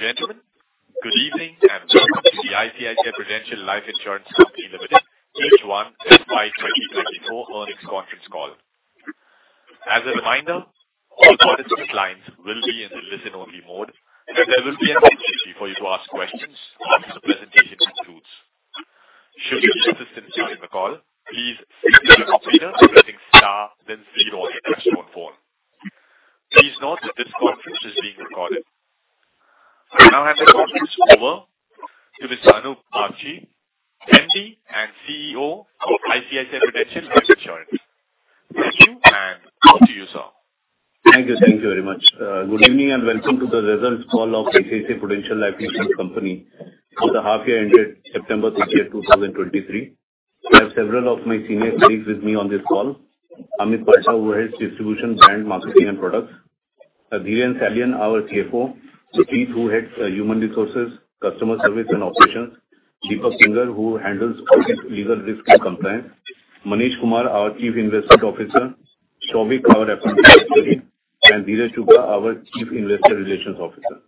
Ladies and gentlemen, good evening, and welcome to the ICICI Prudential Life Insurance Company Limited H1 FY 2024 earnings conference call. As a reminder, all participant lines will be in the listen-only mode, and there will be an opportunity for you to ask questions once the presentation concludes. Should you require assistance in joining the call, please press star then zero on your touchtone phone. Please note that this conference is being recorded. I now hand the conference over to Mr. Anup Bagchi, MD and CEO of ICICI Prudential Life Insurance. Thank you, and over to you, sir. Thank you. Thank you very much. Good evening, and welcome to the results call of ICICI Prudential Life Insurance Company for the half year ended September 30, 2023. I have several of my senior colleagues with me on this call. Amit Palta, who heads Distribution, Brand, Marketing, and Products. Dhiren Salian, our CFO. Judhajit Das, who heads Human Resources, Customer Service, and Operations. Deepak Kinger, who handles Corporate Legal Risk and Compliance. Manish Kumar, our Chief Investment Officer, Souvik Jash, our Company Secretary, and Dheeraj Chugha, our Chief Investor Relations Officer.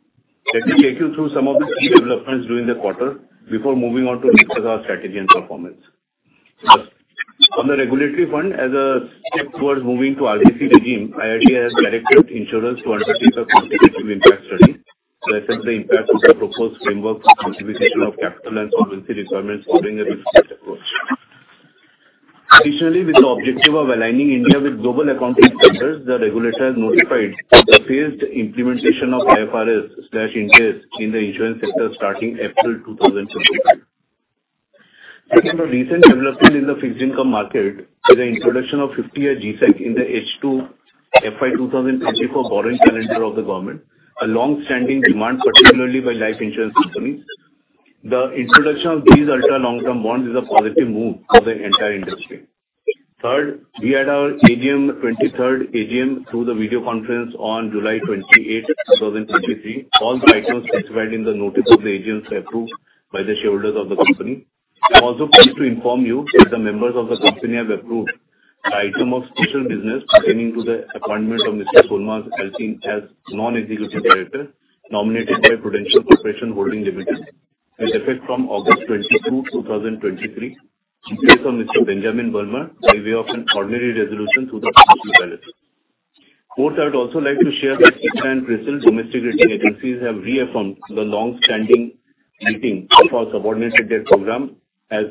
Let me take you through some of the key developments during the quarter before moving on to discuss our strategy and performance. On the regulatory front, as a step towards moving to RBC regime, IRDAI has directed insurers to undertake a comprehensive impact study to assess the impact of the proposed framework for modification of capital and solvency requirements following a risk-based approach. Additionally, with the objective of aligning India with global accounting standards, the regulator has notified the phased implementation of IFRS/Ind AS in the insurance sector starting April 2025. Looking at the recent development in the fixed income market, with the introduction of 50-year G-Sec in the H2 FY 2024 borrowing calendar of the government, a long-standing demand, particularly by life insurance companies. The introduction of these ultra-long-term bonds is a positive move for the entire industry. Third, we had our AGM, 23rd AGM, through the video conference on July 28, 2023. All the items specified in the notice of the AGM were approved by the shareholders of the company. I'm also pleased to inform you that the members of the company have approved the item of special business pertaining to the appointment of Mr. Solmaz Altin as non-executive director, nominated by Prudential Corporation Holdings Limited, with effect from August 22, 2023, in place of Mr. Benjamin Bulmer, by way of an ordinary resolution through the board of directors. Fourth, I would also like to share that ICRA and CRISIL domestic rating agencies have reaffirmed the long-standing rating of our subordinated debt program as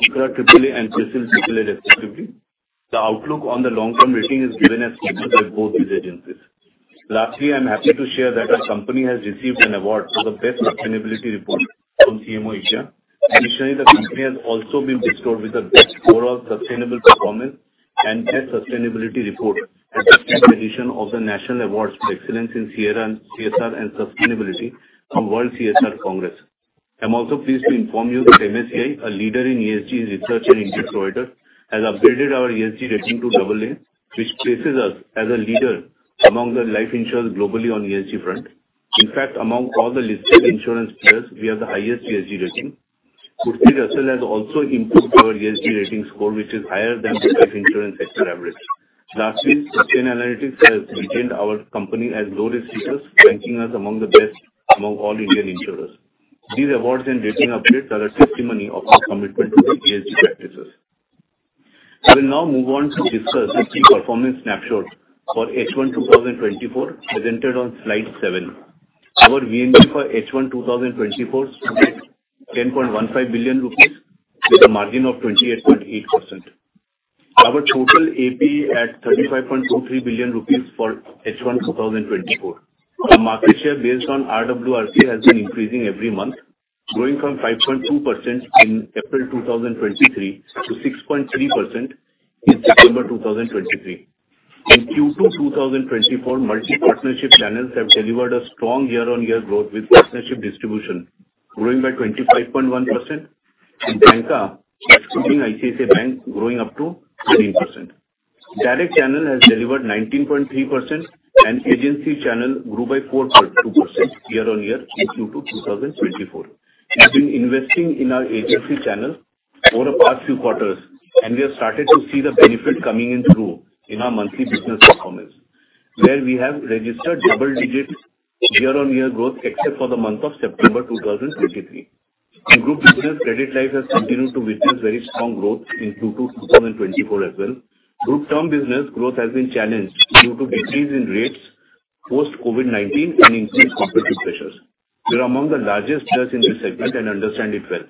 ICRA AAA and CRISIL AAA, respectively. The outlook on the long-term rating is given as stable by both these agencies. Lastly, I'm happy to share that our company has received an award for the Best Sustainability Report from CMO Asia. Additionally, the company has also been bestowed with the Best Overall Sustainable Performance and Best Sustainability Report at the tenth edition of the National Awards for Excellence in ESG and CSR and Sustainability from World CSR Congress. I'm also pleased to inform you that MSCI, a leader in ESG research and index provider, has upgraded our ESG rating to AAA, which places us as a leader among the life insurers globally on ESG front. In fact, among all the listed insurance players, we have the highest ESG rating. Moody's has also improved our ESG rating score, which is higher than the life insurance sector average. Lastly, Sustainalytics has retained our company as low-risk issuer, ranking us among the best among all Indian insurers. These awards and rating updates are a testimony of our commitment to the ESG practices. I will now move on to discuss the key performance snapshot for H1 2024, as entered on Slide 7. Our VNB for H1 2024 stood at 10.15 billion rupees, with a margin of 28.8%. Our total APE at 35.23 billion rupees for H1 2024. Our market share based on RWRP has been increasing every month, growing from 5.2% in April 2023 to 6.3% in September 2023. In Q2 2024, multi-partnership channels have delivered a strong year-on-year growth, with partnership distribution growing by 25.1% and banca, excluding ICICI Bank, growing up to 13%. Direct channel has delivered 19.3%, and agency channel grew by 4.2% year-on-year in Q2 2024. We've been investing in our agency channel over the past few quarters, and we have started to see the benefit coming in through our monthly business performance, where we have registered double digits year-on-year growth, except for the month of September 2023. Our group business credit life has continued to witness very strong growth in Q2 2024 as well. Group term business growth has been challenged due to decrease in rates post-COVID-19 and increased competitive pressures. We're among the largest players in this segment and understand it well,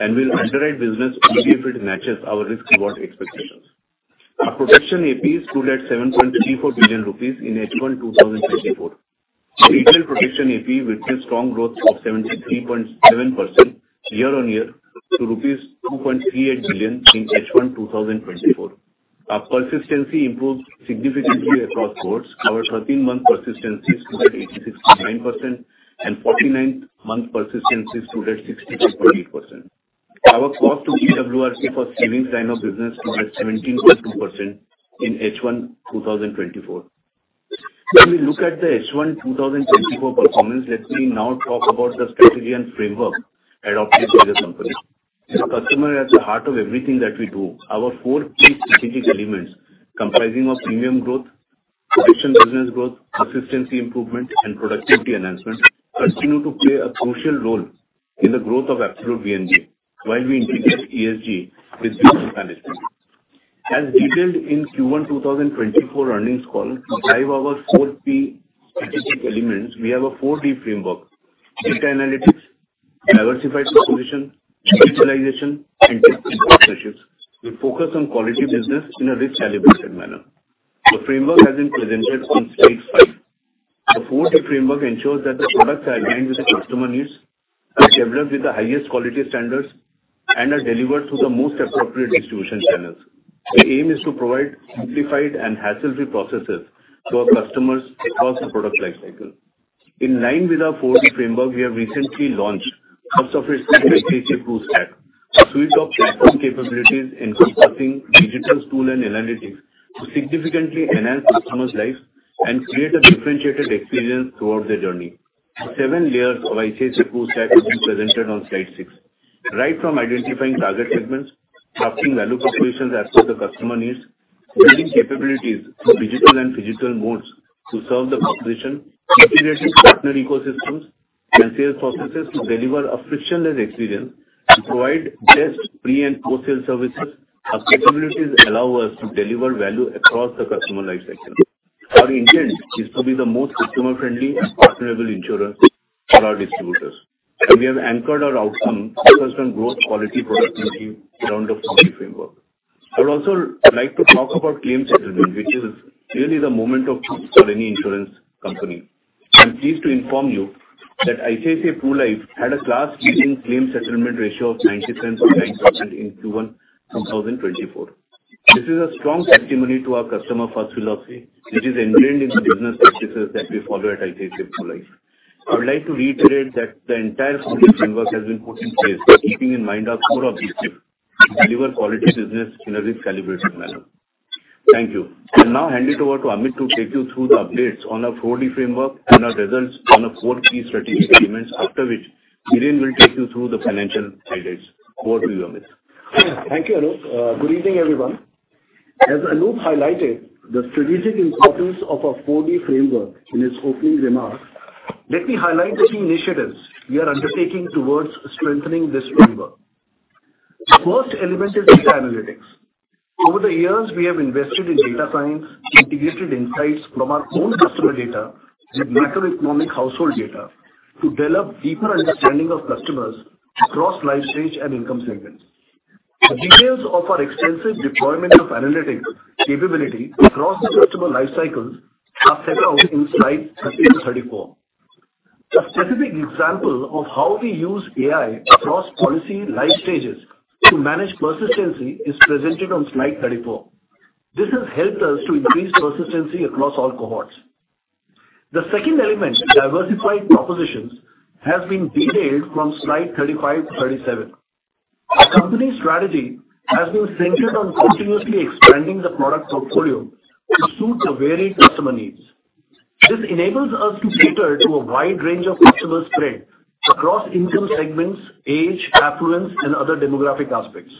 and we'll underwrite business only if it matches our risk-reward expectations. Our protection AP stood at 7.34 billion rupees in H1 2024. Retail protection AP witnessed strong growth of 73.7% year-on-year to INR 2.38 billion in H1 2024. Our persistency improved significantly across boards. Our 13-month persistency stood at 86.9%, and 49-month persistency stood at 63.8%. Our cost to TWRP for savings line of business stood at 17.2% in H1 2024. When we look at the H1 2024 performance, let me now talk about the strategy and framework adopted by the company. The customer is at the heart of everything that we do. Our four key strategic elements comprising of premium growth, additional business growth, persistency improvement, and productivity enhancement, continue to play a crucial role in the growth of absolute VNB while we integrate ESG with business management. As detailed in Q1 2024 earnings call, to drive our four key strategic elements, we have a 4D framework: data analytics, diversified proposition, digitalization, and partnerships. We focus on quality business in a risk-calibrated manner. The framework has been presented on Slide 5. The 4D framework ensures that the products are aligned with the customer needs, are developed with the highest quality standards, and are delivered through the most appropriate distribution channels. The aim is to provide simplified and hassle-free processes to our customers across the product lifecycle. In line with our 4D framework, we have recently launched first of its kind, ICICI Pru Life, a suite of platform capabilities encompassing digital tool and analytics, to significantly enhance customers' lives and create a differentiated experience throughout their journey. Seven layers of ICICI Pru Life Stack have been presented on Slide 6. Right from identifying target segments, crafting value propositions as per the customer needs, building capabilities through digital and physical modes to serve the population, integrating partner ecosystems and sales processes to deliver a frictionless experience, to provide best pre and post-sale services. Our capabilities allow us to deliver value across the customer life cycle. Our intent is to be the most customer-friendly and partnerable insurer for our distributors, and we have anchored our outcome focused on growth, quality, productivity around the company framework. I would also like to talk about claim settlement, which is really the moment of truth for any insurance company. I'm pleased to inform you that ICICIPRULI had a class-leading claim settlement ratio of 99.9% in Q1 2024. This is a strong testimony to our customer-first philosophy, which is ingrained in the business practices that we follow at ICICI Pru Life. I would like to reiterate that the entire 4D framework has been put in place, keeping in mind our core objective: deliver quality business in a risk-calibrated manner. Thank you. I'll now hand it over to Amit to take you through the updates on our 4D framework and our results on the core key strategic elements, after which Dhiren will take you through the financial highlights. Over to you, Amit. Thank you, Anup. Good evening, everyone. As Anup highlighted the strategic importance of our 4D framework in his opening remarks, let me highlight the key initiatives we are undertaking towards strengthening this framework. The first element is data analytics. Over the years, we have invested in data science, integrated insights from our own customer data and macroeconomic household data, to develop deeper understanding of customers across life stage and income segments. The details of our extensive deployment of analytics capability across the customer life cycles are set out in Slide 30-34. A specific example of how we use AI across policy life stages to manage persistency is presented on Slide 34. This has helped us to increase persistency across all cohorts. The second element, diversified propositions, has been detailed from Slide 35-37. Our company strategy has been centered on continuously expanding the product portfolio to suit the varied customer needs. This enables us to cater to a wide range of customers spread across income segments, age, affluence, and other demographic aspects.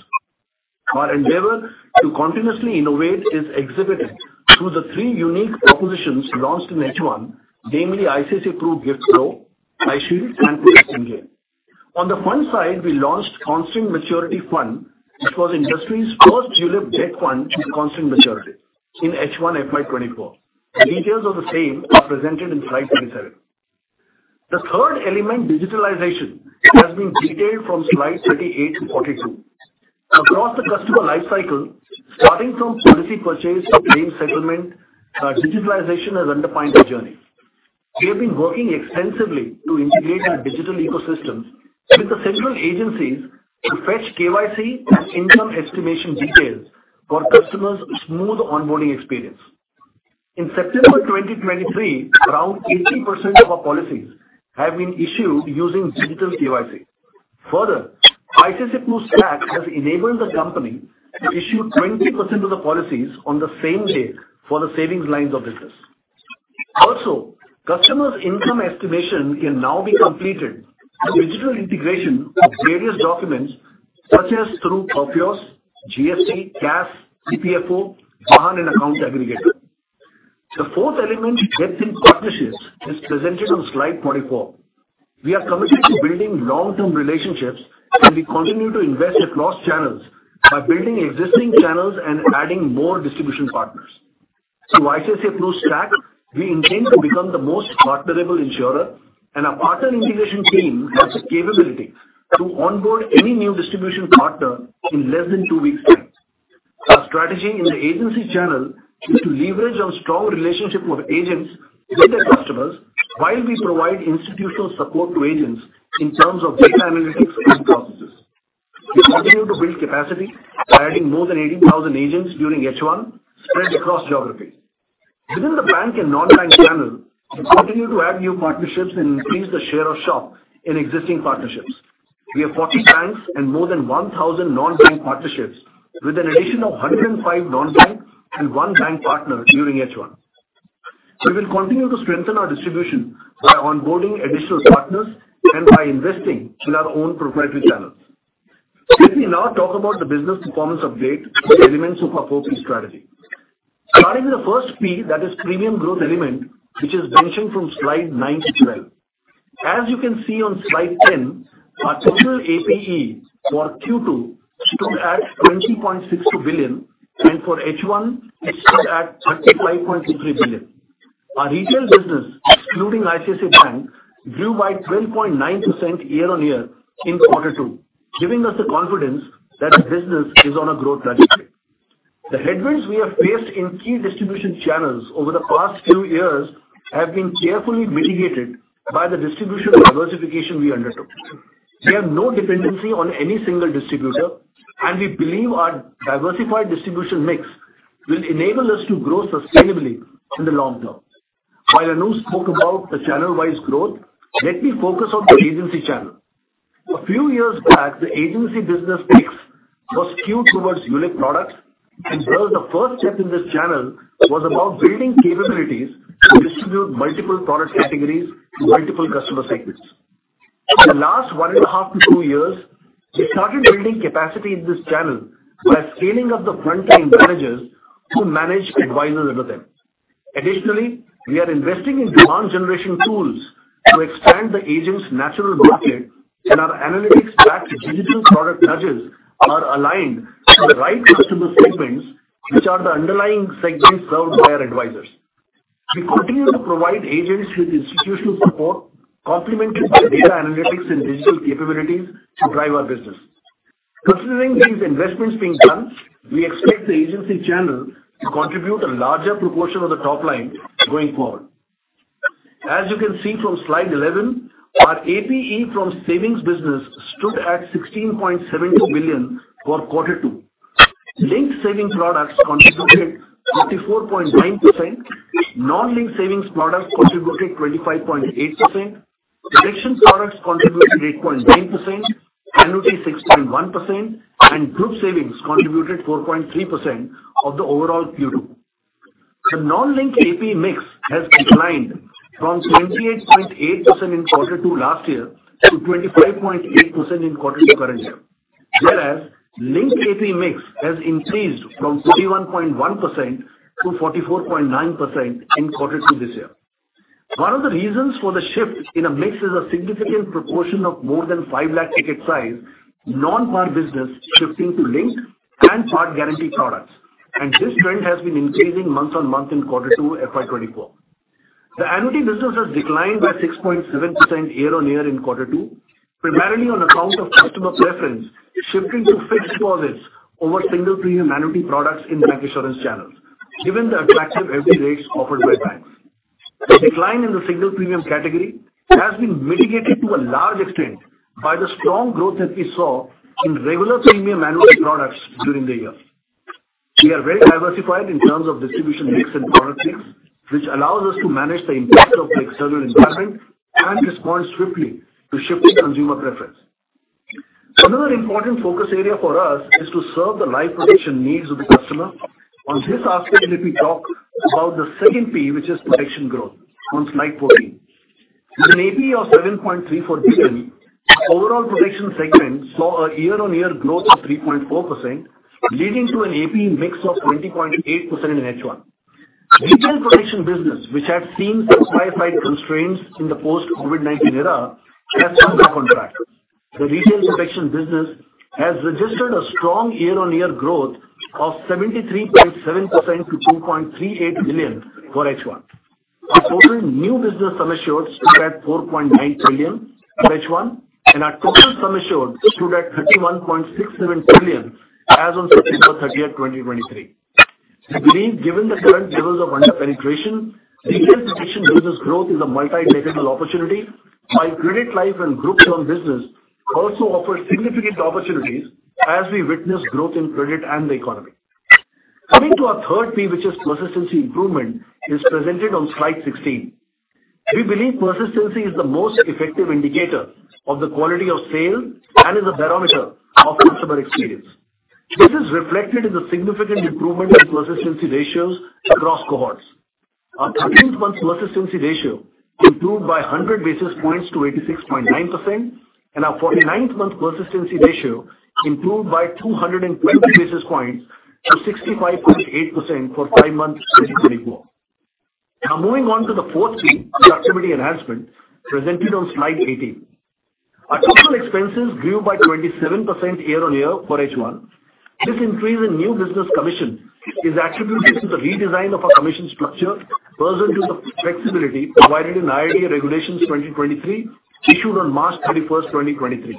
Our endeavor to continuously innovate is exhibited through the three unique propositions launched in H1, namely, ICICI Pru GIFT Pro, iShield, and ICICI Pru Protect N Gain. On the fund side, we launched Constant Maturity Fund, which was industry's first ULIP debt fund with constant maturity in H1 FY24. The details of the same are presented in Slide 37. The third element, digitalization, has been detailed from Slide 38 to 42. Across the customer life cycle, starting from policy purchase to claim settlement, digitalization has underpinned the journey. We have been working extensively to integrate our digital ecosystems with the central agencies to fetch KYC and income estimation details for customers' smooth onboarding experience. In September 2023, around 80% of our policies have been issued using digital KYC. Further, ICICI Pru Stack has enabled the company to issue 20% of the policies on the same day for the savings lines of business. Also, customers' income estimation can now be completed through digital integration of various documents, such as through Perfios, GST, CAS, EPFO, Jaan, and Account Aggregator. The fourth element, depth in partnerships, is presented on Slide 44. We are committed to building long-term relationships, and we continue to invest across channels by building existing channels and adding more distribution partners. So ICICI Pru Stack, we intend to become the most partnerable insurer, and our partner integration team has the capability to onboard any new distribution partner in less than two weeks time. Our strategy in the agency channel is to leverage on strong relationship with agents and their customers, while we provide institutional support to agents in terms of data analytics and processes. We continue to build capacity by adding more than 80,000 agents during H1, spread across geograp hies. Within the bank and non-bank channel, we continue to add new partnerships and increase the share of shop in existing partnerships. We have 40 banks and more than 1,000 non-bank partnerships, with an addition of 105 non-bank and 1 bank partner during H1. We will continue to strengthen our distribution by onboarding additional partners and by investing in our own proprietary channels. Let me now talk about the business performance update for elements of our 4P strategy. Starting with the first P, that is premium growth element, which is mentioned from Slide 9 to 12. As you can see on Slide 10, our total APE for Q2 stood at 20.62 billion, and for H1, it stood at 35.3 billion. Our retail business, excluding ICICI Bank, grew by 12.9% year-on-year in quarter two, giving us the confidence that our business is on a growth trajectory. The headwinds we have faced in key distribution channels over the past few years have been carefully mitigated by the distribution diversification we undertook. We have no dependency on any single distributor, and we believe our diversified distribution mix will enable us to grow sustainably in the long term. While Anu spoke about the channel-wise growth, let me focus on the agency channel. A few years back, the agency business mix was skewed towards unique products, and thus the first step in this channel was about building capabilities to distribute multiple product categories to multiple customer segments. For the last 1.5-2 years, we started building capacity in this channel by scaling up the frontline managers to manage advisors with them. Additionally, we are investing in demand generation tools to expand the agent's natural market, and our analytics-backed digital product nudges are aligned to the right customer segments, which are the underlying segments served by our advisors. We continue to provide agents with institutional support, complemented by data analytics and digital capabilities to drive our business. Considering these investments being done, we expect the agency channel to contribute a larger proportion of the top line going forward. As you can see from Slide 11, our APE from savings business stood at 16.72 billion for quarter two. Linked savings products contributed 54.9%, non-linked savings products contributed 25.8%, protection products contributed 8.9%, annuity 6.1%, and group savings contributed 4.3% of the overall Q2. The non-linked APE mix has declined from 28.8% in quarter two last year to 25.8% in quarter two current year. Whereas, linked APE mix has increased from 31.1% to 44.9% in quarter two this year. One of the reasons for the shift in the mix is a significant proportion of more than 500,000 ticket size, non-par business shifting to linked and Par guarantee products. This trend has been increasing month-on-month in quarter 2, FY 2024. The annuity business has declined by 6.7% year-on-year in quarter 2, primarily on account of customer preference shifting to fixed deposits over single premium annuity products in bank insurance channels, given the attractive FD rates offered by banks. The decline in the single premium category has been mitigated to a large extent by the strong growth that we saw in regular premium annuity products during the year. We are very diversified in terms of distribution mix and product mix, which allows us to manage the impact of the external environment and respond swiftly to shifting consumer preference. Another important focus area for us is to serve the life protection needs of the customer. On this aspect, let me talk about the second P, which is protection growth, on Slide 14. With an APE of 7.34 billion, the overall protection segment saw a year-on-year growth of 3.4%, leading to an APE mix of 20.8% in H1. Retail protection business, which had seen supply-side constraints in the post-COVID-19 era, has come back on track. The retail protection business has registered a strong year-on-year growth of 73.7% to 2.38 billion for H1. Our total new business sum assured stood at 4.9 trillion for H1, and our total sum assured stood at 31.67 trillion as on September 30, 2023. We believe, given the current levels of under-penetration, the retail protection business growth is a multi-decadal opportunity, while credit life and groups on business also offers significant opportunities as we witness growth in credit and the economy. Coming to our third P, which is persistency improvement, is presented on Slide 16. We believe persistency is the most effective indicator of the quality of sale and is a barometer of customer experience. This is reflected in the significant improvement in persistency ratios across cohorts. Our 13th-month persistency ratio improved by 100 basis points to 86.9%, and our 49th-month persistency ratio improved by 220 basis points to 65.8% for 5 months 2024. Now, moving on to the fourth P, productivity enhancement, presented on Slide 18. Our total expenses grew by 27% year-on-year for H1. This increase in new business commission is attributed to the redesign of our commission structure pursuant to the flexibility provided in IRDAI Regulations 2023, issued on March 31, 2023.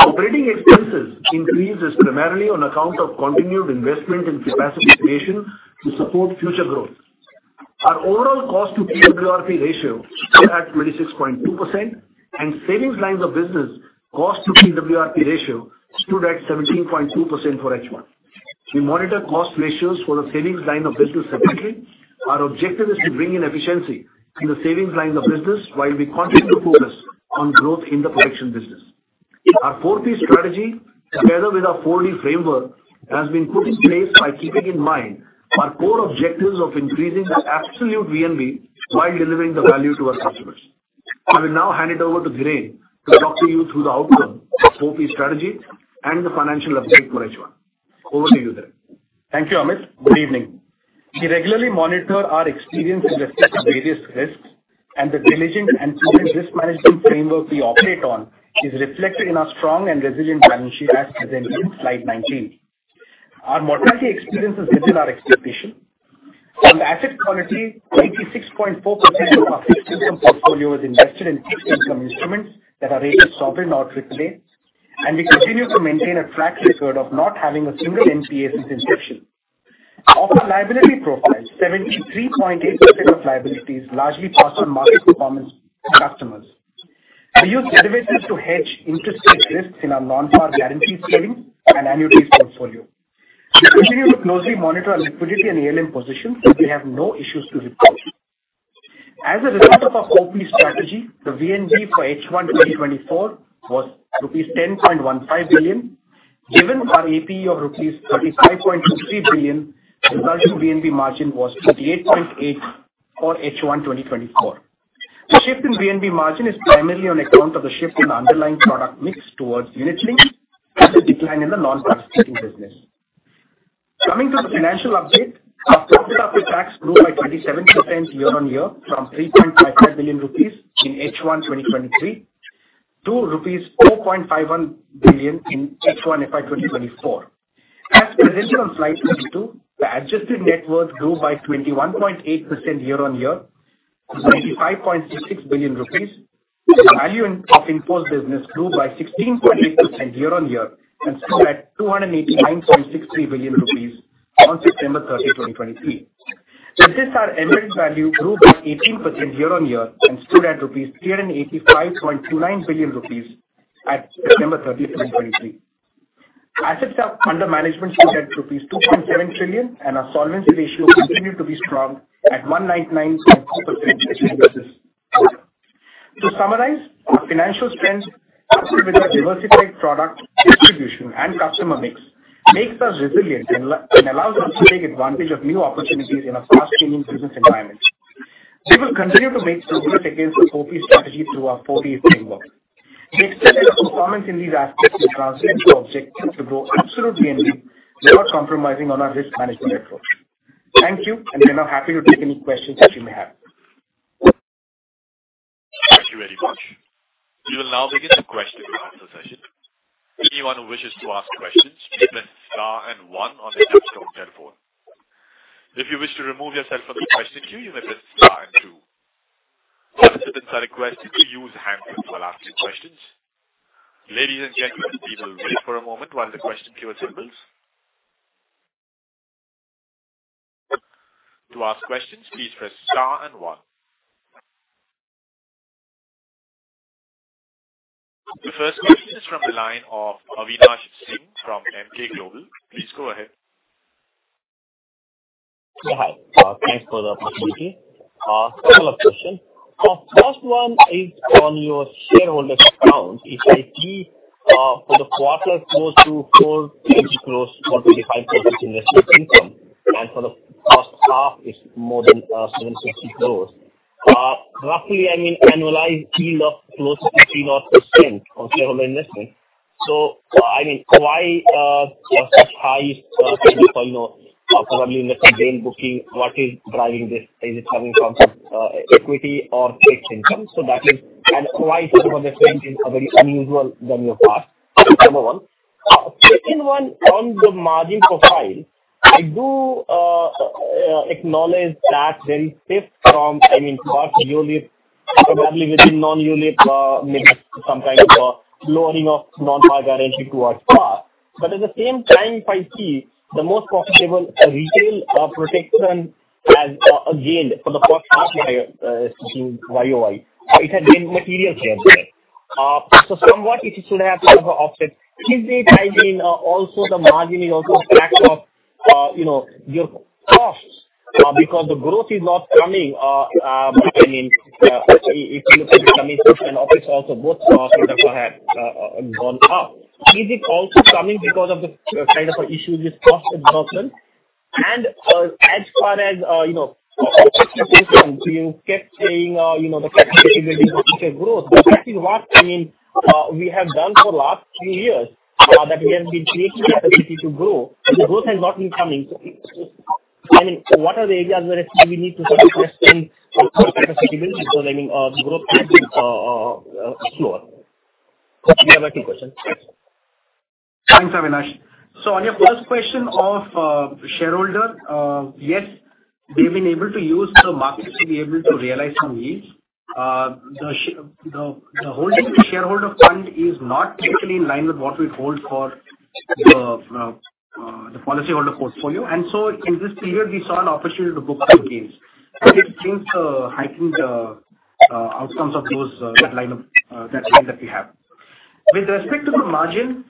Our operating expenses increased primarily on account of continued investment in capacity creation to support future growth. Our overall cost to RWRP ratio stood at 26.2%, and savings lines of business cost to RWRP ratio stood at 17.2% for H1. We monitor cost ratios for the savings line of business separately. Our objective is to bring in efficiency in the savings line of business, while we continue to focus on growth in the protection business.... Our 4P strategy, together with our 4D framework, has been put in place by keeping in mind our core objectives of increasing the absolute VNB while delivering the value to our customers. I will now hand it over to Dhiren to talk to you through the outcome of 4P strategy and the financial update for H1. Over to you, Dhiren. Thank you, Amit. Good evening. We regularly monitor our experience in the set of various risks, and the diligent and risk management framework we operate on is reflected in our strong and resilient balance sheet as presented in Slide 19. Our mortality experience is within our expectation. On the asset quality, 86.4% of our fixed income portfolio is invested in fixed income instruments that are rated sovereign or triple A, and we continue to maintain a track record of not having a single NPA since inception. Of our liability profile, 73.8% of liabilities largely passed on market performance to customers. We use derivatives to hedge interest rate risks in our non-par guarantee scaling and annuities portfolio. We continue to closely monitor our liquidity and ALM position, and we have no issues to report. As a result of our 4P strategy, the VNB for H1 2024 was rupees 10.15 billion, given our APE of rupees 35.23 billion, the resulting VNB margin was 38.8% for H1 2024. The shift in VNB margin is primarily on account of the shift in the underlying product mix towards unit link and the decline in the non-participating business. Coming to the financial update, our profit after tax grew by 27% year-on-year, from 3.55 billion rupees in H1 2023 to rupees 4.51 billion in H1 FY 2024. As presented on Slide 22, the adjusted net worth grew by 21.8% year-on-year to 25.66 billion rupees. The value of in-force business grew by 16.8% year-on-year and stood at 289.63 billion rupees on September 30, 2023. Thus, our embedded value grew by 18% year-on-year and stood at 385.29 billion rupees at September 30, 2023. Assets under management stood at rupees 2.7 trillion, and our solvency ratio continued to be strong at 199.2% as you can see. To summarize, our financial strength, together with our diversified product, distribution, and customer mix, makes us resilient and allows us to take advantage of new opportunities in a fast-changing business environment. We will continue to make progress against the 4P strategy through our 4D framework. We expect that the performance in these aspects will translate to our objective to grow absolute VNB, without compromising on our risk management approach. Thank you, and we are now happy to take any questions that you may have. Thank you very much. We will now begin the question and answer session. Anyone who wishes to ask questions, please press star and one on your telephone. If you wish to remove yourself from the question queue, you may press star and two. Participants are requested to use hands-free while asking questions. Ladies and gentlemen, please wait for a moment while the question queue assembles. To ask questions, please press star and one. The first question is from the line of Avinash Singh from Emkay Global. Please go ahead. Yeah, hi. Thanks for the opportunity. Couple of questions. First one is on your shareholder account. It is, for the quarter, close to 460 crore or 25% investment income, and for the first half, it's more than 760 crore. Roughly, I mean, annualized yield of close to 50-odd% on shareholder investment. So, I mean, why such high, you know, probably in the gain booking, what is driving this? Is it coming from equity or fixed income? So that is and why such a difference in a very unusual than your past? Number one. Second one, on the margin profile, I do acknowledge that the shift from, I mean, first ULIP, probably within non-ULIP mix, some kind of lowering of non-par guarantee towards PAR. But at the same time, if I see the most profitable retail protection has, again, for the first half year, YoY, it had been material change. So somewhat it should have some offset. Is it, I mean, also the margin is also a factor of, you know, your costs, because the growth is not coming, I mean, if you look at the commission and office also both costs have gone up. Is it also coming because of the kind of issues with cost absorption? And, as far as, you know, efficiency is concerned, you kept saying, you know, the capacity to grow. But that is what, I mean, we have done for the last three years, that we have been creating the capacity to grow. The growth has not been coming. So I mean, what are the areas where we need to start investing in capacity building? I mean, the growth is slower. We have two questions. Thanks, Avinash. So on your first question of shareholder, yes, we've been able to use the markets to be able to realize some yields. The shareholder fund is not usually in line with what we hold for the policyholder portfolio, and so in this year, we saw an opportunity to book the gains. It brings heightened outcomes of those in line with that trend that we have. With respect to the margin,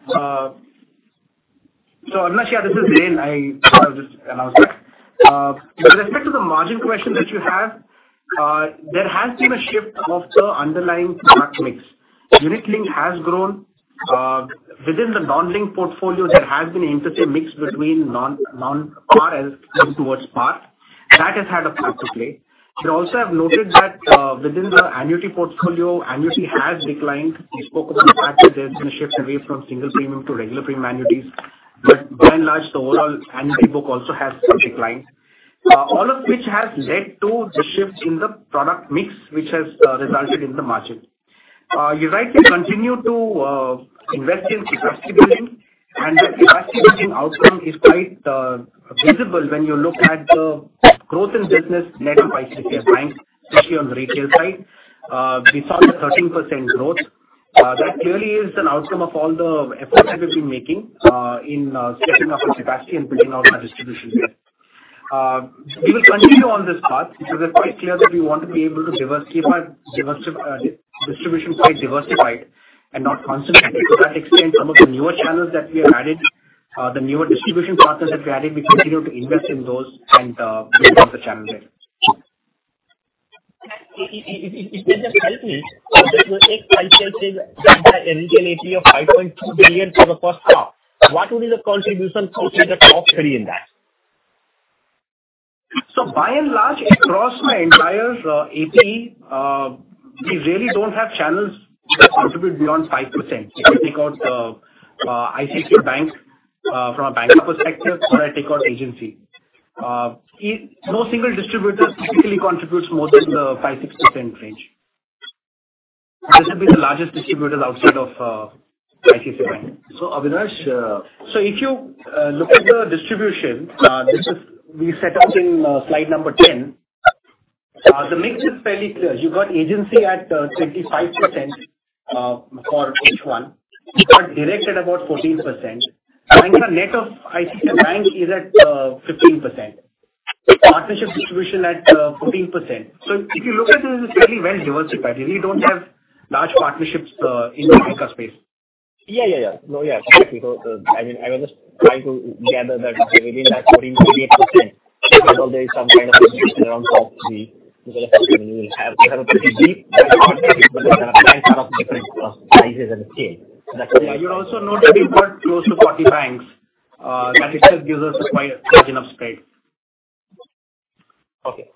Avinash, yeah, this is gain I'll just announce that. With respect to the margin question that you have, there has been a shift of the underlying product mix. Unit link has grown, within the non-link portfolio, there has been an intermix between non-PAR towards PAR. That has had a part to play. We also have noted that within the annuity portfolio, annuity has declined. We spoke about the fact that there's been a shift away from single premium to regular premium annuities. But by and large, the overall annuity book also has declined. All of which has led to the shift in the product mix, which has resulted in the margin. You're right, we continue to invest in capacity building, and the capacity building outcome is quite visible when you look at the growth in business net by ICICI Bank, especially on the retail side. We saw a 13% growth. That clearly is an outcome of all the efforts that we've been making in stepping up our capacity and building out our distribution there. We will continue on this path because we're quite clear that we want to be able to diversify distribution quite diversified and not concentrated. To that extent, some of the newer channels that we have added, the newer distribution partners that we added, we continue to invest in those and build out the channel there. If you just help me, if you take financial sales that had an APE of 5.2 billion for the first half, what will be the contribution from the top three in that? So by and large, across my entire APE, we really don't have channels that contribute beyond 5%. If I take out the ICICI Bank from a banking perspective, or I take out agency. No single distributor typically contributes more than the 5-6% range. This will be the largest distributors outside of ICICI Bank. So, Avinash, So if you look at the distribution, this is. We set out in Slide number 10. The mix is fairly clear. You've got agency at 25% for H1. You've got direct at about 14%. I think the net of ICICI Bank is at 15%. Partnership distribution at 14%. So if you look at this, it's fairly well diversified. We don't have large partnerships in the bancassurance space. Yeah, yeah, yeah. No, yeah, exactly. So, I mean, I was just trying to gather that maybe that 40, maybe 8%, whether there is some kind of distribution around top three, because you will have, you have a pretty deep different sizes and scale. Yeah, you'll also note that we've got close to 40 banks, that itself gives us quite a margin of space. Okay.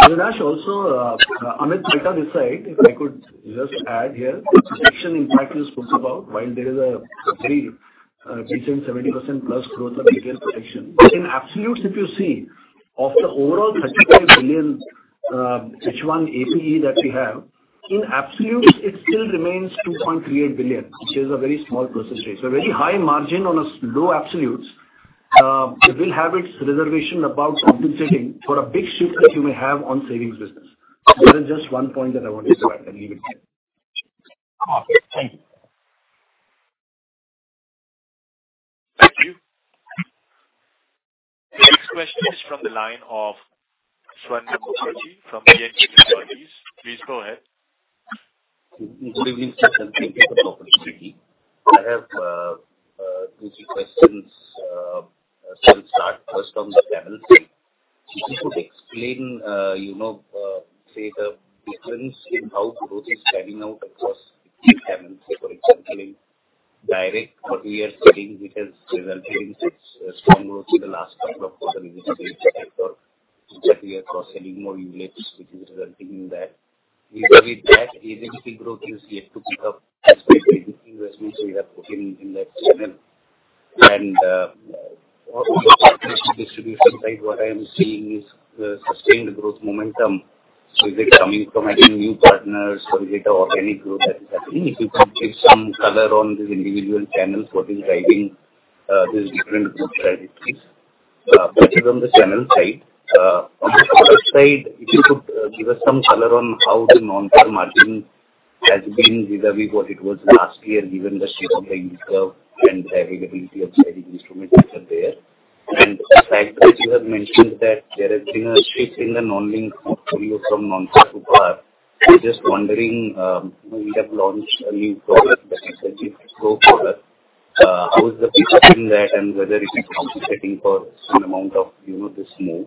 Avinash, also, Amit Palta this side, if I could just add here. Segment, in fact, you spoke about while there is a very, between 70%+ growth of retail segment. But in absolutes, if you see, of the overall 35 billion H1 APE that we have, in absolute, it still remains 2.38 billion, which is a very small proportion. So a very high margin on a so low absolutes, it will have its reservation about compensating for a big shift that you may have on savings business. That is just one point that I wanted to add and leave it there. Okay, thank you. Thank you. The next question is from the line of Swarnabha Mukherjee from B&K Securities. Please go ahead. Good evening, sir. Thank you for the opportunity. I have two, three questions. So I'll start first on the channel side. If you could explain, you know, say, the difference in how growth is panning out across key channels. Say, for example, in direct, what we are seeing, which has resulted in such strong growth in the last couple of quarters in this sector, which that we are cross-selling more units, which is resulting in that. Either with that agency growth is yet to pick up as per the investments we have put in, in that channel. And, on the distribution side, what I am seeing is, sustained growth momentum. So is it coming from adding new partners, or is it organic growth that is happening? If you could give some color on these individual channels, what is driving these different growth strategies? That is on the channel side. On the product side, if you could give us some color on how the non-par margin has been vis-a-vis what it was last year, given the shape of the yield curve and the availability of saving instruments which are there. And secondly, you have mentioned that there has been a shift in the non-link portfolio from non-par to par. I'm just wondering, we have launched a new product, the ICICI Pru product. How is the picture in that and whether it is compensating for some amount of, you know, this move?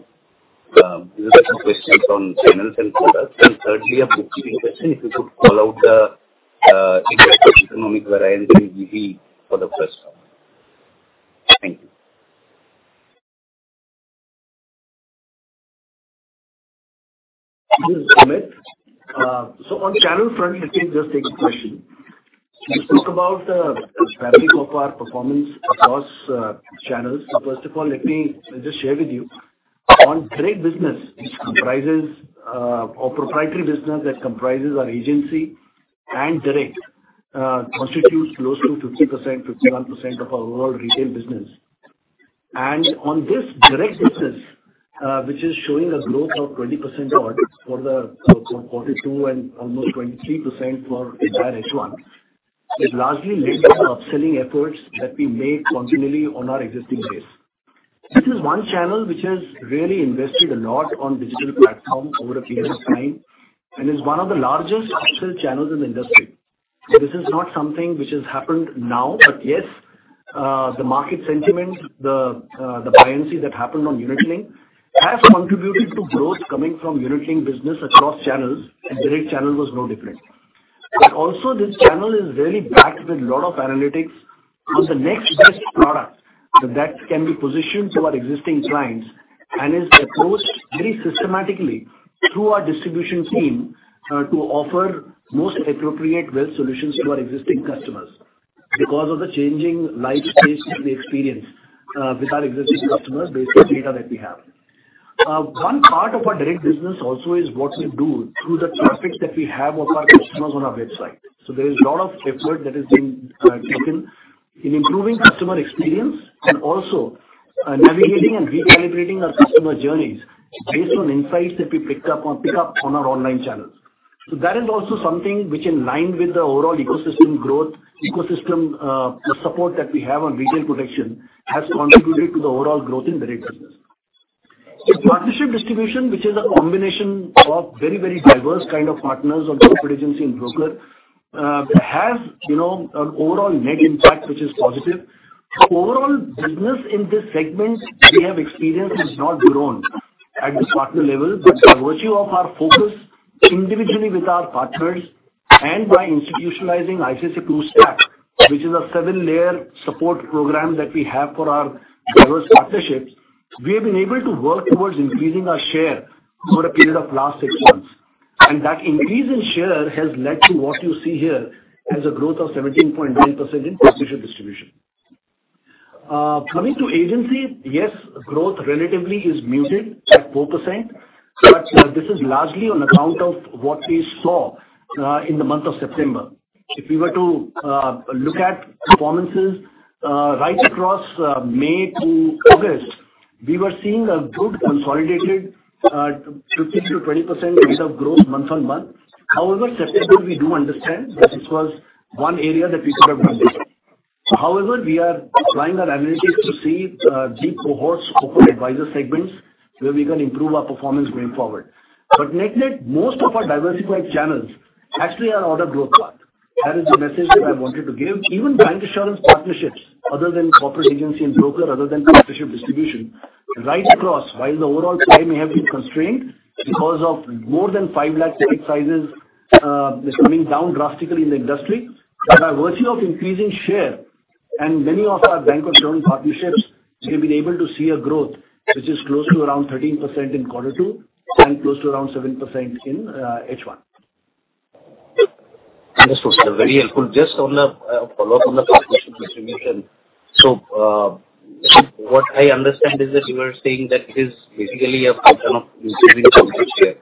These are the two questions on channels and products. And thirdly, a bookkeeping question, if you could call out the economic variance in GB for the first time. Thank you. This is Amit. So on the channel front, let me just take the question. You spoke about the strategy of our performance across channels. So first of all, let me just share with you. On direct business, which comprises or proprietary business that comprises our agency and direct, constitutes close to 50%, 51% of our overall retail business. And on this direct business, which is showing a growth of 20% odd for the for 42 and almost 23% for the entire H1, is largely linked to the upselling efforts that we make continually on our existing base. This is one channel which has really invested a lot on digital platforms over a period of time, and is one of the largest digital channels in the industry. So this is not something which has happened now. But yes, the market sentiment, the buoyancy that happened on unit link has contributed to growth coming from unit link business across channels, and direct channel was no different. But also this channel is really backed with a lot of analytics on the next best product that can be positioned to our existing clients, and is approached very systematically through our distribution team to offer most appropriate wealth solutions to our existing customers. Because of the changing life stages they experience with our existing customers based on data that we have. One part of our direct business also is what we do through the traffic that we have of our customers on our website. So there is a lot of effort that is being taken in improving customer experience and also, navigating and recalibrating our customer journeys based on insights that we picked up on our online channels. So that is also something which in line with the overall ecosystem growth, support that we have on retail protection, has contributed to the overall growth in direct business. So partnership distribution, which is a combination of very, very diverse kind of partners of corporate agency and broker, have, you know, an overall net impact, which is positive. Overall business in this segment, we have experienced has not grown at the partner level, but by virtue of our focus individually with our partners and by institutionalizing ICICI Pru Stack, which is a seven-layer support program that we have for our diverse partnerships, we have been able to work towards increasing our share over a period of last six months. And that increase in share has led to what you see here as a growth of 17.9% in partnership distribution. Coming to agency, yes, growth relatively is muted at 4%, but this is largely on account of what we saw in the month of September. If we were to look at performances right across May to August, we were seeing a good consolidated 15%-20% rate of growth month-on-month. However, September, we do understand that it was one area that we could have done better. However, we are applying our analytics to see, deep cohorts for advisor segments, where we can improve our performance going forward. But net-net, most of our diversified channels actually are on a growth path. That is the message that I wanted to give. Even bank insurance partnerships, other than corporate agency and broker, other than partnership distribution, right across, while the overall size may have been constrained because of more than 5 lakh ticket sizes, is coming down drastically in the industry. But by virtue of increasing share and many of our bank insurance partnerships, we've been able to see a growth which is close to around 13% in quarter two and close to around 7% in H1. Understood, sir. Very helpful. Just on the follow-up on the distribution. So, what I understand is that you are saying that it is basically a function of distributing from this year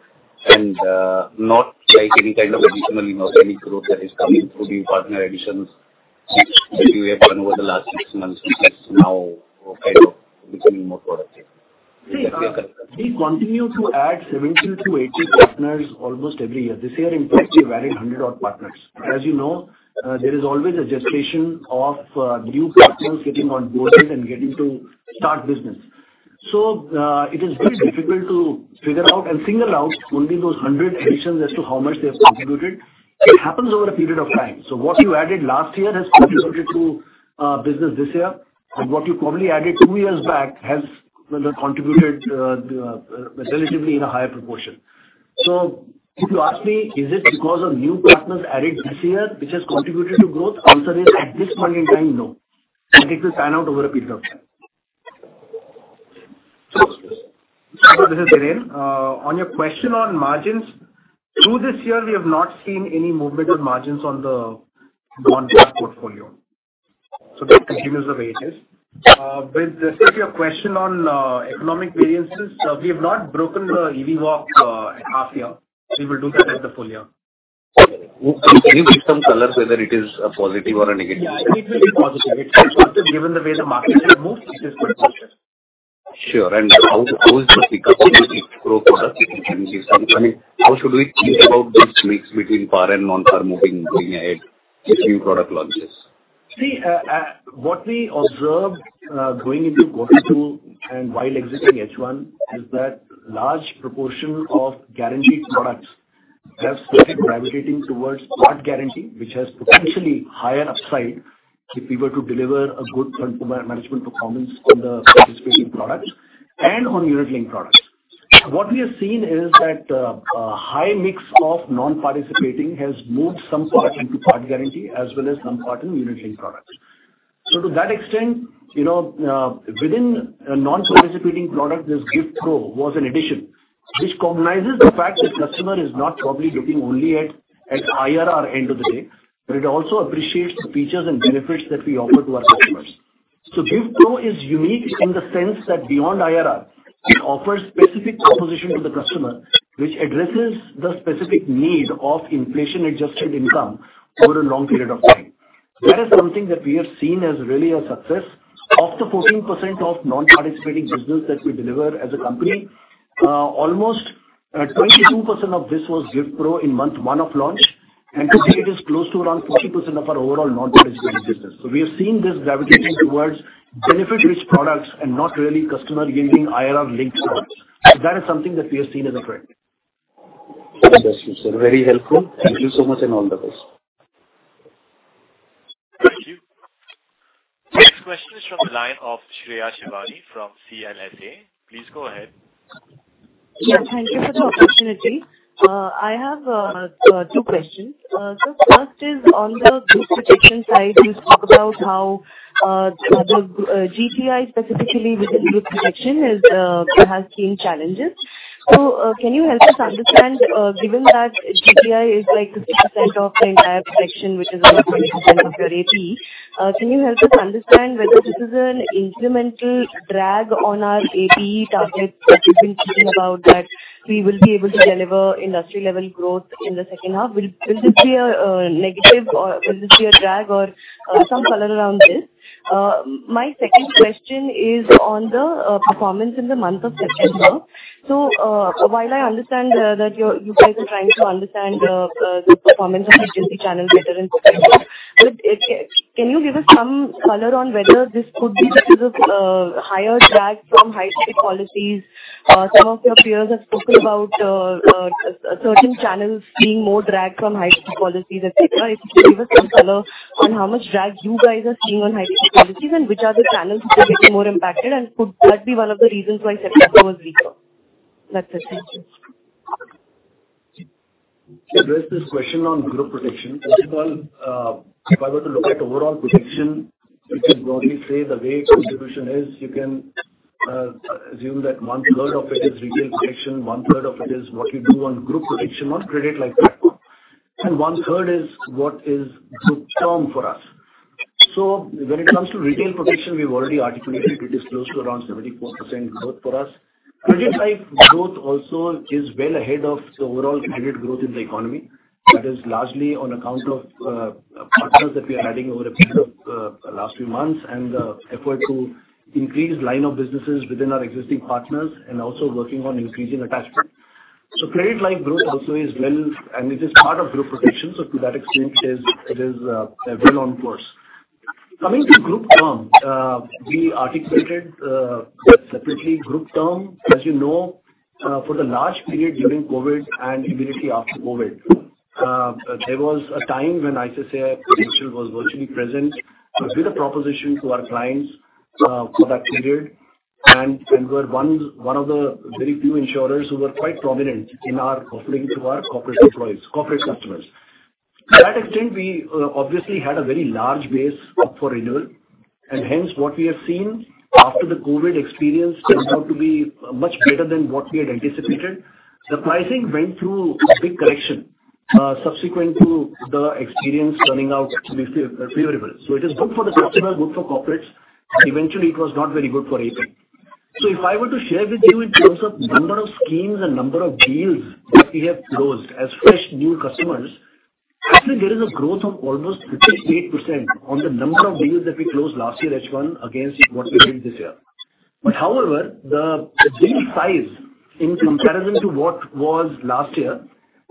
and not like any kind of additional inorganic growth that is coming through the partner additions that you have done over the last six months, which is now kind of becoming more productive. See, we continue to add 70-80 partners almost every year. This year, in fact, we added 100-odd partners. As you know, there is always a gestation of new partners getting onboarded and getting to start business. So, it is very difficult to figure out and single out only those 100 additions as to how much they have contributed. It happens over a period of time. So what you added last year has contributed to business this year, and what you probably added two years back has, well, contributed relatively in a higher proportion. So if you ask me, is it because of new partners added this year, which has contributed to growth? Answer is, at this point in time, no. I think this pans out over a period of time. Sure. This is Dhiren. On your question on margins, through this year, we have not seen any movement on margins on the non-par portfolio. So that continues the way it is. With respect to your question on economic variances, we have not broken the EVOP at half year, so we will do that at the full year. Can you give some colors whether it is a positive or a negative? Yeah, it will be positive. Given the way the market has moved, it is positive. Sure. And how, how is the pickup on the GIFT Pro product? Can you give some... I mean, how should we think about this mix between par and non-par moving, going ahead with new product launches? See, what we observed, going into quarter two and while exiting H1, is that a large proportion of guaranteed products have started gravitating towards Par guarantee, which has potentially higher upside if we were to deliver a good management performance on the participating products and on unit linked products. What we have seen is that, a high mix of non-participating has moved some part into Par guarantee as well as some part in unit linked products. So to that extent, you know, within a non-participating product, this GIFT Pro was an addition, which cognizes the fact that customer is not probably looking only at IRR end of the day, but it also appreciates the features and benefits that we offer to our customers. So GIFT Pro is unique in the sense that beyond IRR, it offers specific proposition to the customer, which addresses the specific need of inflation-adjusted income over a long period of time. That is something that we have seen as really a success. Of the 14% of non-participating business that we deliver as a company, almost, 22% of this was GIFT Pro in month 1 of launch, and today it is close to around 40% of our overall non-par business. So we have seen this gravitating towards benefit-rich products and not really customer yielding IRR linked products. That is something that we have seen as a trend. Understood, sir. Very helpful. Thank you so much and all the best. Thank you. Next question is from the line of Shreya Shivani from CLSA. Please go ahead. Yeah, thank you for the opportunity. I have two questions. So first is on the group protection side, you talk about how the GTI specifically within group protection has seen challenges. So, can you help us understand, given that GTI is like the center of the entire protection, which is around 20% of your APE, can you help us understand whether this is an incremental drag on our APE targets, that you've been talking about, that we will be able to deliver industry level growth in the second half? Will this be a negative or will this be a drag or some color around this? My second question is on the performance in the month of September. So, while I understand that you guys are trying to understand the performance of agency channels better in September, but can you give us some color on whether this could be because of higher drag from high policies? Some of your peers have spoken about certain channels seeing more drag from high policies, et cetera. If you can give us some color on how much drag you guys are seeing on high policies and which are the channels which are getting more impacted, and could that be one of the reasons why September was weaker? That's it. Thank you. To address this question on group protection, first of all, if I were to look at overall protection, you can broadly say the way contribution is, you can assume that one-third of it is retail protection, one-third of it is what you do on group protection, on credit life, and one-third is what is group term for us. So when it comes to retail protection, we've already articulated it is close to around 74% growth for us. Credit life growth also is well ahead of the overall credit growth in the economy. That is largely on account of partners that we are adding over a period of last few months, and effort to increase line of businesses within our existing partners, and also working on increasing attachment. So credit life growth also is well and it is part of group protection. So to that extent, it is well on course. Coming to group term, we articulated separately, group term, as you know, for the large period during COVID and immediately after COVID, there was a time when ICICI Prudential was virtually present. So it was a proposition to our clients for that period, and we're one of the very few insurers who were quite prominent in our offering to our corporate employees, corporate customers. To that extent, we obviously had a very large base up for renewal, and hence what we have seen after the COVID experience turned out to be much better than what we had anticipated. The pricing went through a big correction subsequent to the experience turning out to be favorable. So it is good for the customer, good for corporates, and eventually it was not very good for ICICI. So if I were to share with you in terms of number of schemes and number of deals that we have closed as fresh new customers, actually there is a growth of almost 58% on the number of deals that we closed last year, H1, against what we did this year. But however, the deal size, in comparison to what was last year,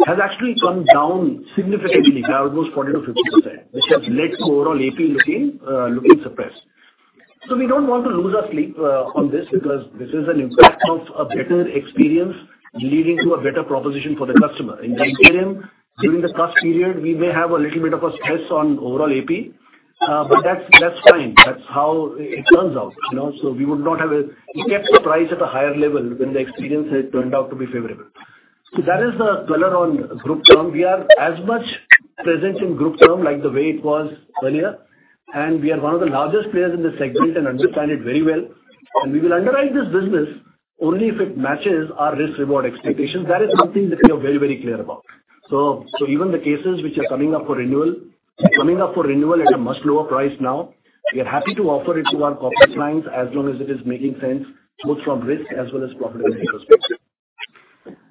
has actually come down significantly by almost 40%-50%, which has led to overall APE looking suppressed. So we don't want to lose our sleep on this, because this is an impact of a better experience leading to a better proposition for the customer. In the interim, during the trust period, we may have a little bit of a stress on overall APE, but that's, that's fine. That's how it turns out, you know, so we would not have kept the price at a higher level when the experience has turned out to be favorable. So that is the color on group term. We are as much present in group term, like the way it was earlier, and we are one of the largest players in this segment and understand it very well. We will underwrite this business only if it matches our risk reward expectations. That is something that we are very, very clear about. Even the cases which are coming up for renewal at a much lower price now, we are happy to offer it to our corporate clients as long as it is making sense, both from risk as well as profitability perspective.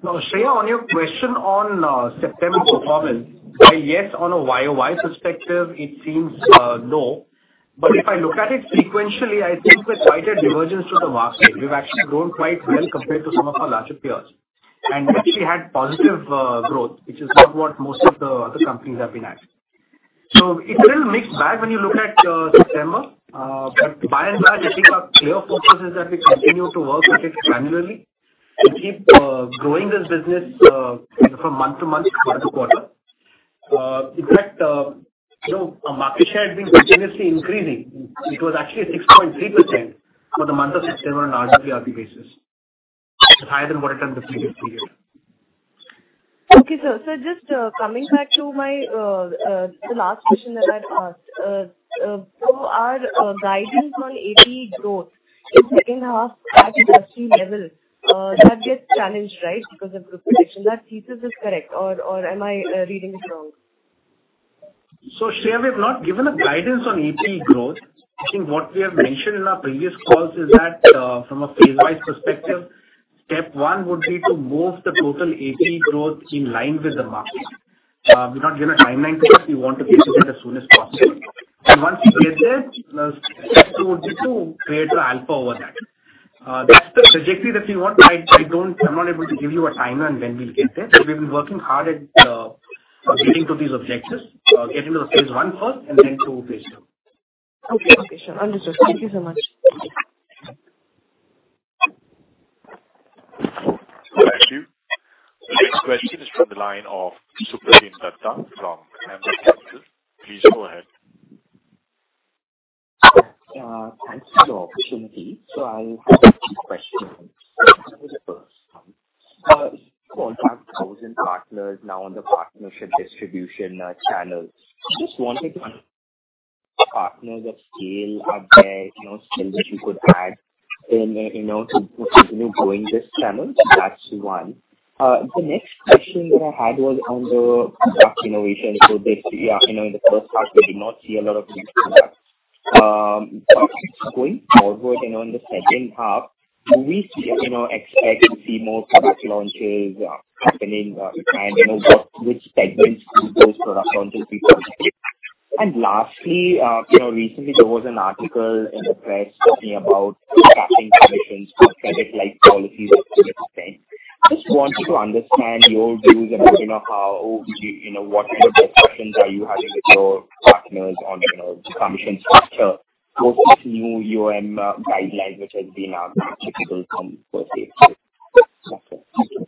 Now, Shreya, on your question on September performance, but yes, on a YoY perspective, it seems no. But if I look at it sequentially, I think we're tighter divergence to the market. We've actually grown quite well compared to some of our larger peers, and we actually had positive growth, which is not what most of the other companies have been at. So it's a little mixed bag when you look at September, but by and large, I think our clear focus is that we continue to work with it granularly and keep growing this business from month to month, quarter to quarter. In fact, you know, our market share has been continuously increasing. It was actually a 6.3% for the month of September on RWRP basis. It's higher than what it had been previous period. Okay, sir. So just coming back to the last question that I'd asked. So our guidance on APE growth in second half at industry level, that gets challenged, right? Because of group protection. That thesis is correct, or am I reading it wrong? So, Shreya, we've not given a guidance on APE growth. I think what we have mentioned in our previous calls is that, from a phase-wise perspective, step one would be to move the total APE growth in line with the market. We've not given a timeline because we want to get to that as soon as possible. And once we get there, step two would be to create the alpha over that. ... That's the objective that we want, but I don't, I'm not able to give you a timeline when we'll get there. We've been working hard at getting to these objectives. Getting to the phase one first and then to phase two. Okay. Okay, sure, understood. Thank you so much. Thank you. The next question is from the line of Supratim Datta from Ambit Capital. Please go ahead. Thanks for the opportunity. So I'll ask two questions. On the partnership distribution channels, I just wanted to know what partners of scale are there, you know, scale that you could add in, you know, to continue growing this channel? That's one. The next question that I had was on the product innovation. So basically, yeah, you know, in the first part, we did not see a lot of new products. Going forward, you know, in the second half, do we, you know, expect to see more product launches happening? And, you know, which segments do those product launches be focused? And lastly, you know, recently there was an article in the press talking about capping commissions to credit life policies with respect. I just want to understand your views about, you know, how we, you know, what kind of discussions are you having with your partners on, you know, commission structure for this new IRDAI guideline, which has been applicable from 1st October? Thank you.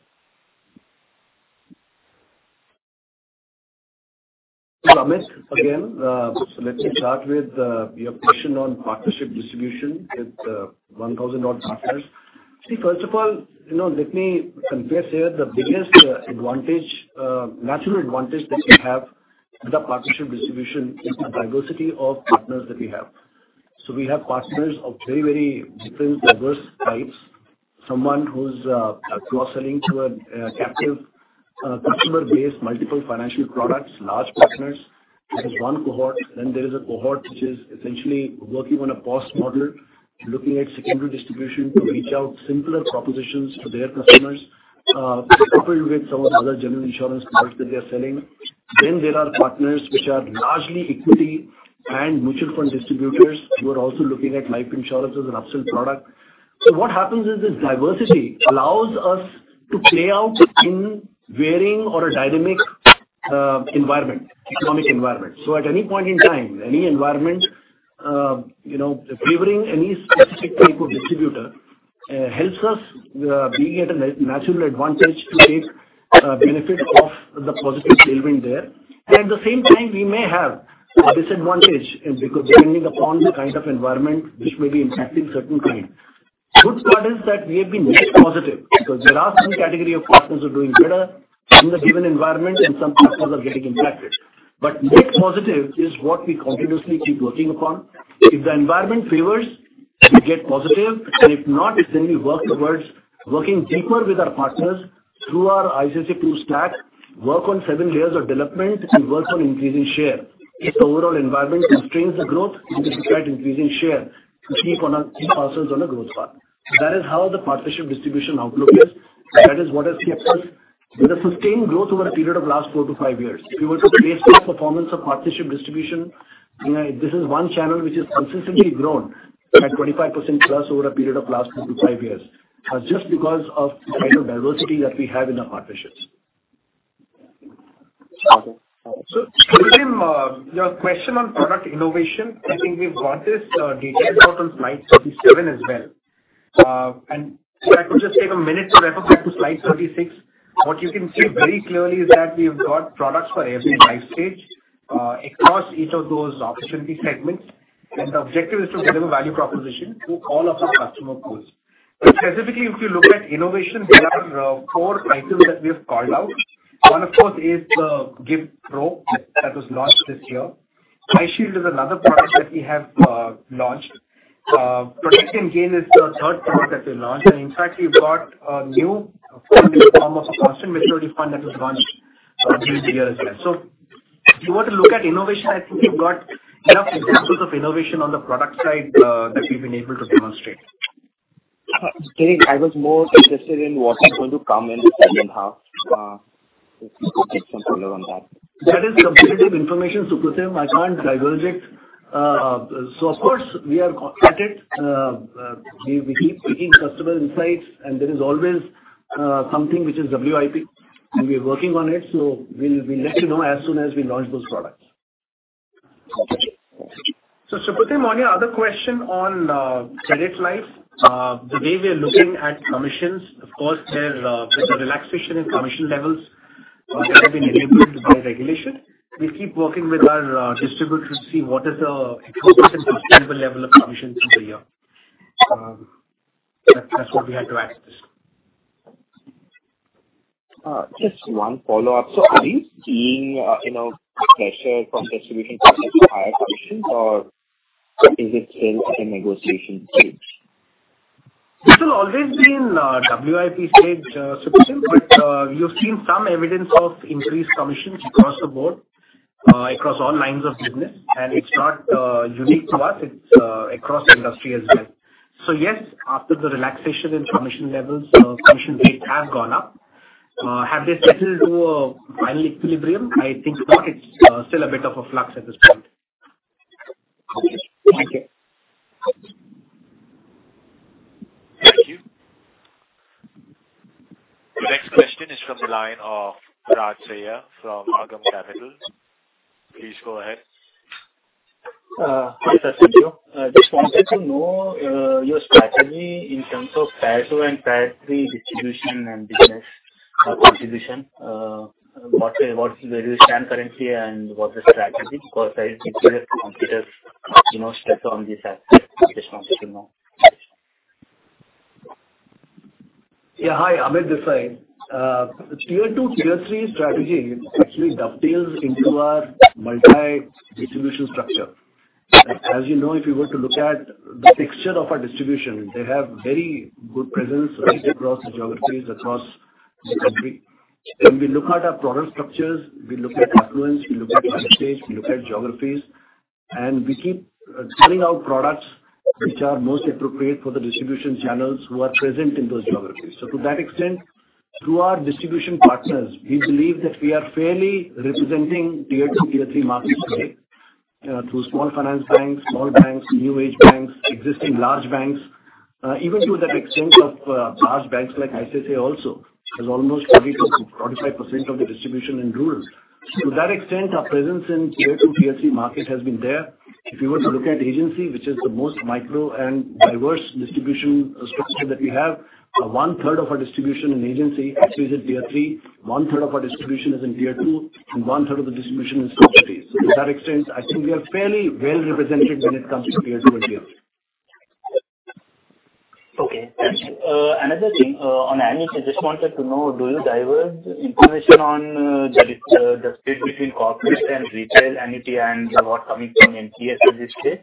Amit, again, let me start with your question on partnership distribution with 1,000-odd partners. See, first of all, you know, let me confess here, the biggest advantage, natural advantage that we have with the partnership distribution is the diversity of partners that we have. So we have partners of very, very different diverse types. Someone who's cross-selling to a captive customer base, multiple financial products, large partners, that is one cohort. Then there is a cohort which is essentially working on a boss model, looking at secondary distribution to reach out simpler propositions to their customers, coupled with some of the other general insurance products that they are selling. Then there are partners which are largely equity and mutual fund distributors, who are also looking at life insurance as an upsell product. So what happens is this diversity allows us to play out in varying or a dynamic, environment, economic environment. So at any point in time, any environment, you know, favoring any specific type of distributor, helps us, being at a natural advantage to take, benefit of the positive tailwind there. And at the same time, we may have a disadvantage because depending upon the kind of environment which may be impacting certain clients. Good part is that we have been net positive, because there are some category of partners who are doing better in the given environment and some partners are getting impacted. But net positive is what we continuously keep working upon. If the environment favors, we get positive, and if not, it's then we work towards working deeper with our partners through our ICICI Pru Stack, work on seven layers of development, and work on increasing share. If the overall environment constrains the growth, we just try to increasing share to keep on a, keep ourselves on a growth path. That is how the partnership distribution outlook is. That is what has helped us with a sustained growth over a period of last 4-5 years. If you were to base our performance of partnership distribution, you know, this is one channel which has consistently grown at 25%+ over a period of last 4-5 years, just because of the kind of diversity that we have in our partnerships. Okay. So, Supratim, your question on product innovation, I think we've got this, detailed out on Slide 37 as well. And so I could just take a minute to refer back to Slide 36. What you can see very clearly is that we've got products for every life stage, across each of those opportunity segments, and the objective is to deliver value proposition to all of our customer pools. But specifically, if you look at innovation, there are, four items that we have called out. One, of course, is the GIFT Pro that was launched this year. iShield is another product that we have, launched. Protect N Gain is the third product that we launched, and in fact, we've got a new form of Constant Maturity Fund that was launched, this year as well. So if you were to look at innovation, I think we've got enough examples of innovation on the product side that we've been able to demonstrate. Deepak, I was more interested in what is going to come in the second half. If you could give some color on that. That is competitive information, Supratim, I can't divulge it. So of course, we are at it. We keep taking customer insights, and there is always something which is WIP, and we are working on it, so we'll let you know as soon as we launch those products. Okay. So, Supratim, on your other question on credit life, the way we are looking at commissions, of course, there's a relaxation in commission levels that have been enabled by regulation. We keep working with our distributors to see what is the efficient and sustainable level of commissions in the year. That, that's what we had to add to this. Just one follow-up. So are you seeing, you know, pressure from distribution to higher commissions, or is it still at a negotiation stage? This will always be in WIP stage, Supratim, but you've seen some evidence of increased commissions across the board, across all lines of business, and it's not unique to us, it's across the industry as well. So yes, after the relaxation in commission levels, commission rates have gone up. Have they settled to a final equilibrium? I think not. It's still a bit of a flux at this point.... Thank you. Thank you. The next question is from the line of [Raj Seyah from Agam Capital]. Please go ahead. Yes, thank you. Just wanted to know your strategy in terms of Tier 2 and Tier 3 distribution and business contribution. What, what where you stand currently and what's the strategy? Because I think we have completed, you know, step on this aspect of this now. Yeah, hi, Amit this side. Tier 2, Tier 3 strategy actually dovetails into our multi-distribution structure. As you know, if you were to look at the picture of our distribution, they have very good presence right across the geographies, across the country. When we look at our product structures, we look at affluence, we look at stage, we look at geographies, and we keep sending out products which are most appropriate for the distribution channels who are present in those geographies. So to that extent, through our distribution partners, we believe that we are fairly representing Tier 2, Tier 3 markets today through small finance banks, small banks, new age banks, existing large banks. Even to that extent of large banks like ICICI also has almost 40%-45% of the distribution in rural. To that extent, our presence in Tier 2, Tier 3 market has been there. If you were to look at agency, which is the most micro and diverse distribution structure that we have, one-third of our distribution in agency actually is in Tier 3, one-third of our distribution is in Tier 2, and one-third of the distribution is in Tier 3. To that extent, I think we are fairly well represented when it comes to Tier 2 and Tier 3. Okay, thanks. Another thing, on annual, I just wanted to know, do you divulge information on the split between corporate and retail, MDT and the work coming from MDS at this stage?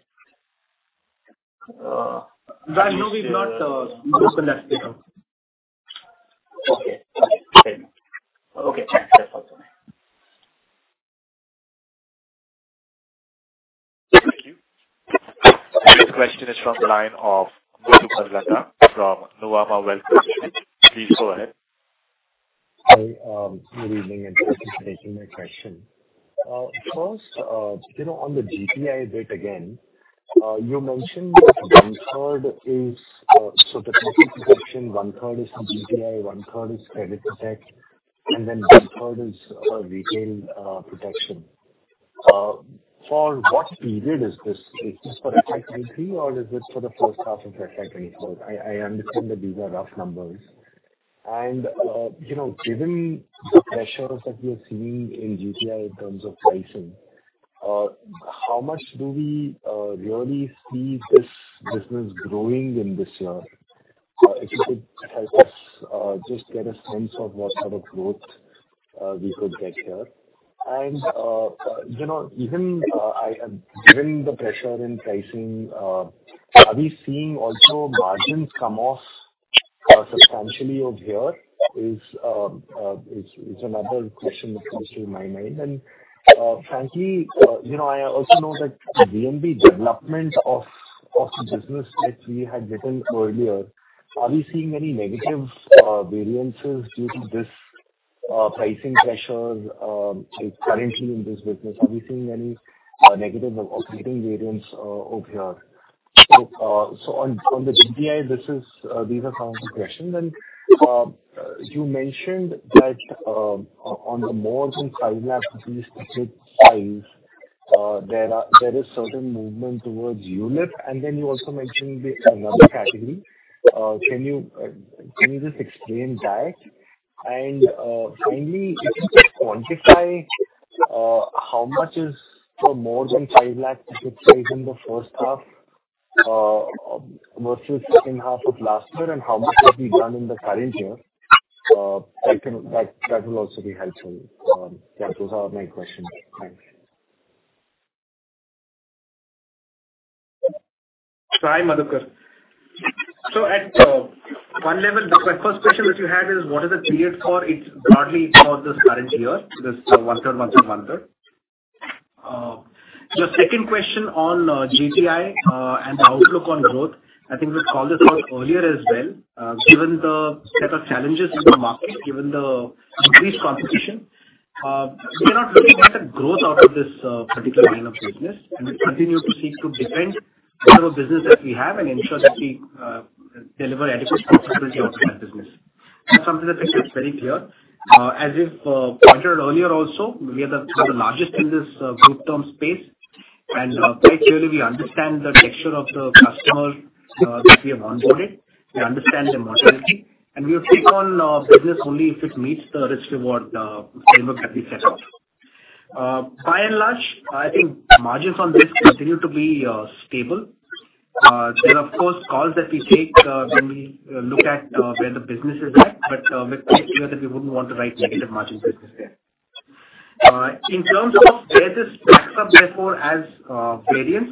No, we've not broken that down. Okay. Okay, thank you. Okay, thanks. Thank you. The next question is from the line of Madhukar Ladha from Nuvama Wealth. Please go ahead. Hi, good evening, and thanks for taking my question. First, you know, on the GTI bit again, you mentioned one-third is, so the protection, one-third is GTI, one-third is credit protect, and then one-third is, retail, protection. For what period is this? Is this for the fiscal year, or is this for the first half of the fiscal year? I understand that these are rough numbers. And, you know, given the pressures that we are seeing in GTI in terms of pricing, how much do we really see this business growing in this year? If you could help us, just get a sense of what sort of growth we could get here. And, you know, even, I... Given the pressure in pricing, are we seeing also margins come off substantially over here? Is another question that comes to my mind. And, frankly, you know, I also know that the VNB development of the business which we had written earlier, are we seeing any negative variances due to this pricing pressures currently in this business? Are we seeing any negative or operating variance over here? So, on the GTI, this is, these are some questions. And, you mentioned that, on the more than 5 lakh rupees specific size, there are, there is certain movement towards ULIP, and then you also mentioned the another category. Can you just explain that? Finally, if you could quantify how much is for more than 5 lakh ticket size in the first half versus second half of last year, and how much has been done in the current year? That will also be helpful. Yeah, those are my questions. Thanks. Hi, Madhukar. So at one level, the first question that you had is, what is the period for? It's broadly for the current year, this one term, 1 to one-third. The second question on GTI and the outlook on growth, I think we called this out earlier as well. Given the set of challenges in the market, given the increased competition, we're not looking at a growth out of this particular line of business. We continue to seek to defend whatever business that we have and ensure that we deliver adequate profitability out of that business. That's something that I think is very clear. As we've pointed out earlier also, we are the largest in this group term space, and quite clearly, we understand the texture of the customer that we have onboarded. We understand the mortality, and we will take on business only if it meets the risk reward framework that we set out. By and large, I think margins on this continue to be stable. There are, of course, calls that we take when we look at where the business is at, but we're clear that we wouldn't want the right negative margin business there. In terms of where this stacks up, therefore, as variance,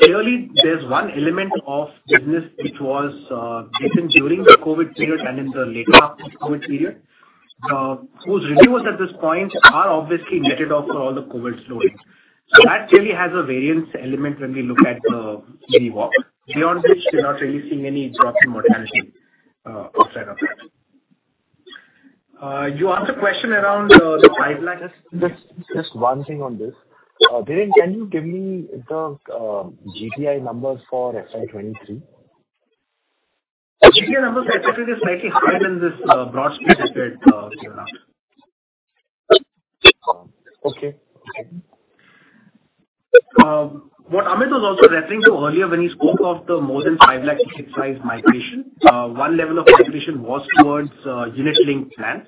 clearly, there's one element of business which was taken during the COVID period and in the later COVID period, whose renewals at this point are obviously netted off for all the COVID slowing. So that really has a variance element when we look at the walk, beyond which we're not really seeing any drop in mortality, outside of that. ... You asked a question around the INR 5 lakhs. Just one thing on this. Dhiren, can you give me the GTI numbers for FY 2023? GTI numbers are actually slightly higher than this, broad street that given out. Okay. Okay. What Amit was also referring to earlier when he spoke of the more than 5 lakh ticket size migration, one level of migration was towards unit-linked plans.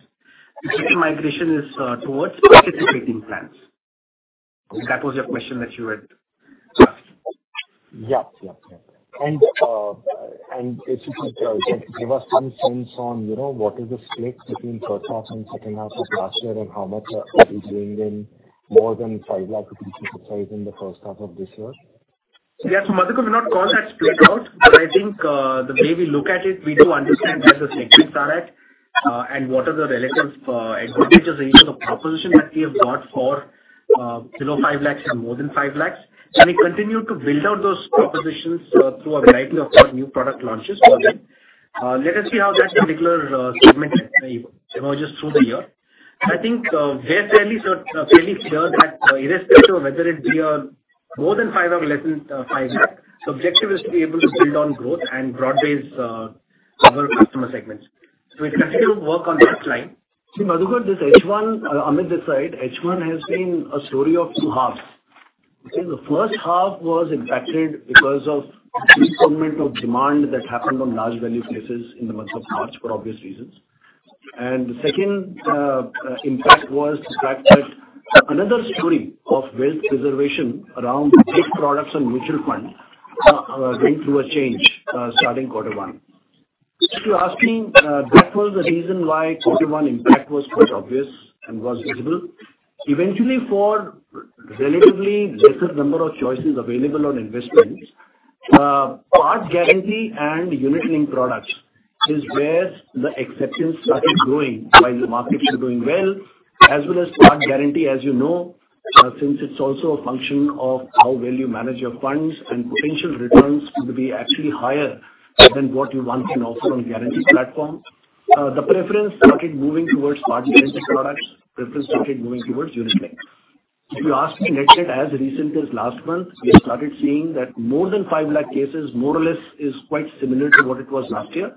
The second migration is towards participating plans. If that was your question that you had asked. Yeah. Yeah. And, and if you could, just give us some sense on, you know, what is the split between first half and second half of last year, and how much are you doing in more than 5 lakh rupees ticket size in the first half of this year? Yeah, so Madhukar, we've not called that split out, but I think the way we look at it, we do understand where the sectors are at, and what are the relative advantages in the proposition that we have got for below 5 lakhs and more than 5 lakhs. We continue to build out those propositions through a variety of new product launches for them. Let us see how that particular segment emerges through the year. I think we're fairly clear that irrespective of whether it be more than 5 lakhs or less than 5 lakhs, the objective is to be able to build on growth and broad base other customer segments. We continue to work on that line. See, Madhukar, this H1, Amit this side, H1 has been a story of two halves. I think the first half was impacted because of the deployment of demand that happened on large value cases in the month of March, for obvious reasons. And the second impact was the fact that another story of wealth preservation around these products and mutual funds are going through a change starting quarter one. If you ask me, that was the reason why quarter one impact was quite obvious and was visible. Eventually, for relatively lesser number of choices available on investments, Par guarantee and unit-linked products is where the acceptance started growing while the markets were doing well, as well as Par guarantee, as you know, since it's also a function of how well you manage your funds and potential returns could be actually higher than what you want can offer on guarantee platform. The preference started moving towards Par guarantee products, preference started moving towards unit-linked. If you ask me, net-net, as recent as last month, we have started seeing that more than 500,000 cases, more or less, is quite similar to what it was last year.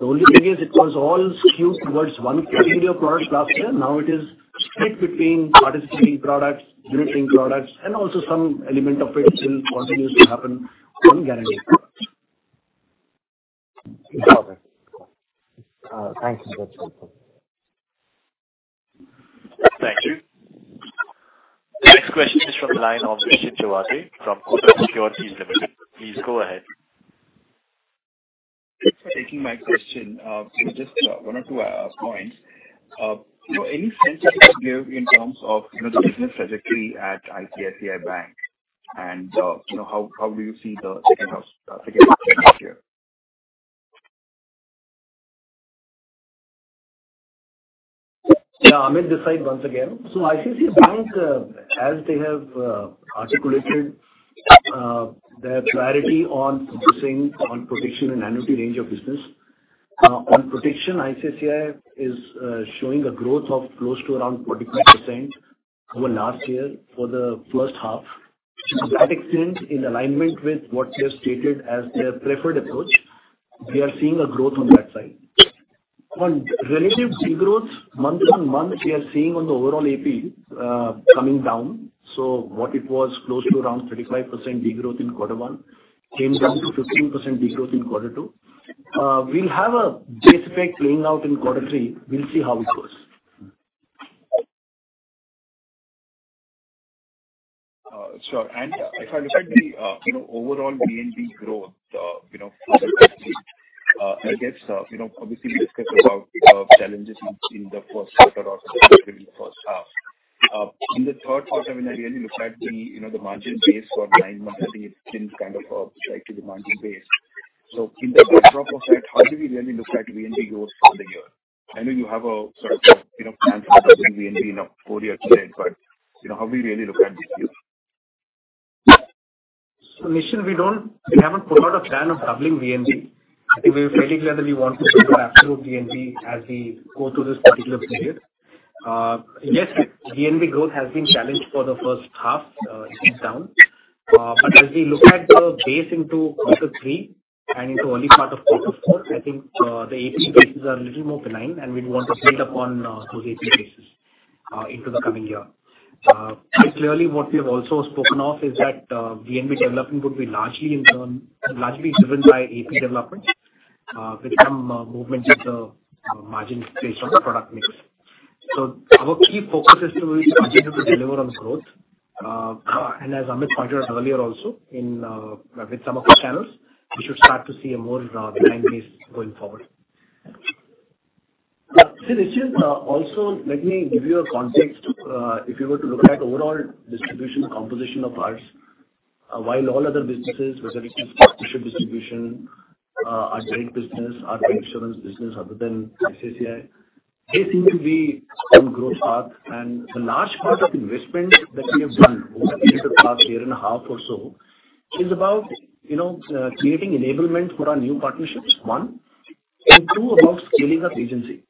The only thing is it was all skewed towards one category of products last year. Now it is split between participating products, unit-linked products, and also some element of it still continues to happen on guarantee products. Got it. Thank you. That's helpful. Thank you. The next question is from the line of Nischint Chawathe from Kotak Securities Limited. Please go ahead. Taking my question, so just one or two points. So any sense you can give in terms of, you know, the business trajectory at ICICI Bank? And, you know, how, how do you see the second half, second half next year? Yeah, Amit this side once again. So ICICI Bank, as they have articulated, their priority on focusing on protection and annuity range of business. On protection, ICICI is showing a growth of close to around 45% over last year for the first half. To that extent, in alignment with what they have stated as their preferred approach, we are seeing a growth on that side. On relative degrowth, month-on-month, we are seeing on the overall AP coming down. So what it was close to around 35% degrowth in quarter one, came down to 15% degrowth in quarter two. We'll have a date effect playing out in quarter three. We'll see how it goes. Sure. And if I look at the, you know, overall VNB growth, you know, I guess, you know, obviously we discussed about challenges in the first quarter or especially in the first half. In the third quarter, when I really look at the, you know, the margin base for nine months, I think it's been kind of a strike to the margin base. So in terms of drop of that, how do we really look at VNB growth for the year? I know you have a sort of, you know, plan for doubling VNB in a four-year period, but, you know, how do we really look at this year? So, Nischint, we don't—we haven't put out a plan of doubling VNB. I think we're very clear that we want to see the absolute VNB as we go through this particular period. Yes, VNB growth has been challenged for the first half, it is down. But as we look at the base into quarter three and into early part of quarter four, I think, the AP bases are a little more benign, and we'd want to build upon, those AP bases, into the coming year. Quite clearly, what we have also spoken of is that, VNB development would be largely in turn, largely driven by AP developments, with some, movement in the, margin based on the product mix. So our key focus is to be able to deliver on growth. As Amit pointed out earlier also, in with some of the channels, we should start to see a more benign base going forward. Yeah. Nischint, also, let me give you a context. If you were to look at overall distribution composition of ours, while all other businesses, whether it is distribution, our trade business, our insurance business, other than ICICI Bank will be on growth path, and the large part of investment that we have done over the period of the past year and a half or so is about, you know, creating enablement for our new partnerships, one, and two, about scaling up agency.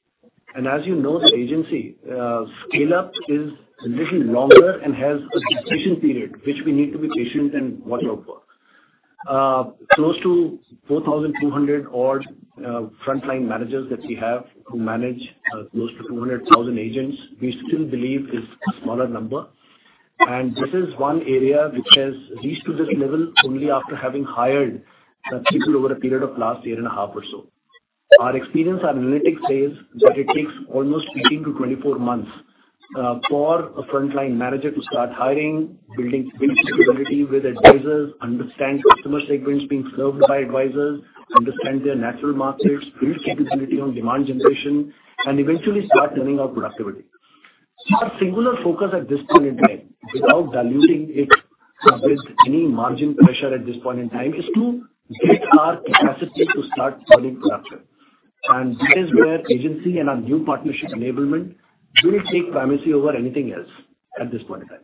And as you know, the agency scale-up is a little longer and has a decision period, which we need to be patient and watch it over. Close to 4,200 odd frontline managers that we have, who manage close to 200,000 agents, we still believe is a smaller number. This is one area which has reached to this level only after having hired people over a period of last year and a half or so. Our experience on analytics says that it takes almost 18-24 months for a frontline manager to start hiring, building stability with advisors, understand customer segments being served by advisors, understand their natural markets, build capability on demand generation, and eventually start turning out productivity. Our singular focus at this point in time, without diluting it with any margin pressure at this point in time, is to build our capacity to start building production. That is where agency and our new partnership enablement will take primacy over anything else at this point in time.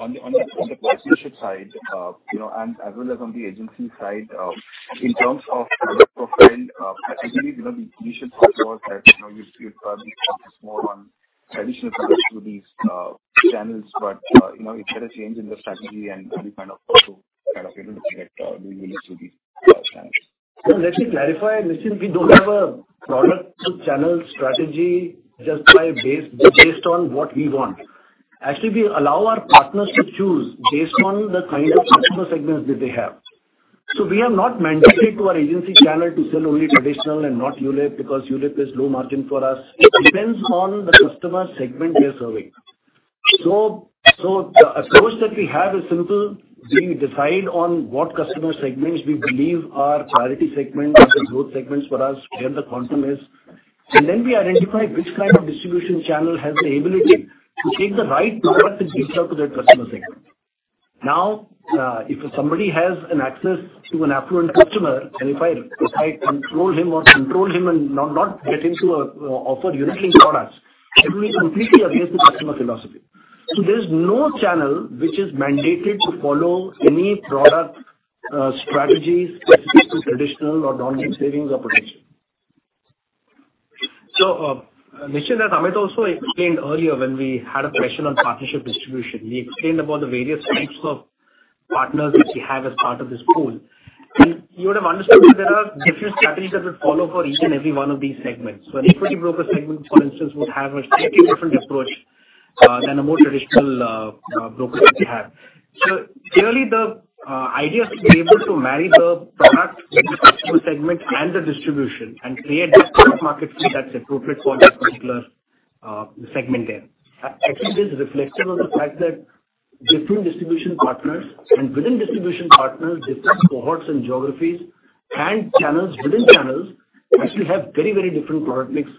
On the partnership side, you know, and as well as on the agency side, in terms of product profile, actually, you know, we should support that, you know, you'd probably focus more on traditional products through these channels. But, you know, if there a change in the strategy and any kind of also kind of, you know, get the release to these channels? Well, let me clarify, listen, we don't have a product to channel strategy just based on what we want. Actually, we allow our partners to choose based on the kind of customer segments that they have. So we have not mandated to our agency channel to sell only traditional and not ULIP, because ULIP is low margin for us. It depends on the customer segment we are serving. So the approach that we have is simple. We decide on what customer segments we believe are priority segments or the growth segments for us, where the quantum is, and then we identify which kind of distribution channel has the ability to take the right product and deliver to that customer segment. Now, if somebody has an access to an affluent customer, and if I control him and not get him to offer unique products, it will be completely against the customer philosophy. So there's no channel which is mandated to follow any product strategies, specific to traditional or non-savings or potential. So, Nischint Amit also explained earlier when we had a question on partnership distribution. We explained about the various types of partners which we have as part of this pool. And you would have understood that there are different strategies that would follow for each and every one of these segments. So an equity broker segment, for instance, would have a slightly different approach, than a more traditional, broker that we have. So clearly, the idea is to be able to marry the product with the customer segment and the distribution, and create the product market fit that's appropriate for that particular, segment there. Actually, this is reflected on the fact that different distribution partners and within distribution partners, different cohorts and geographies and channels within channels actually have very, very different product mix.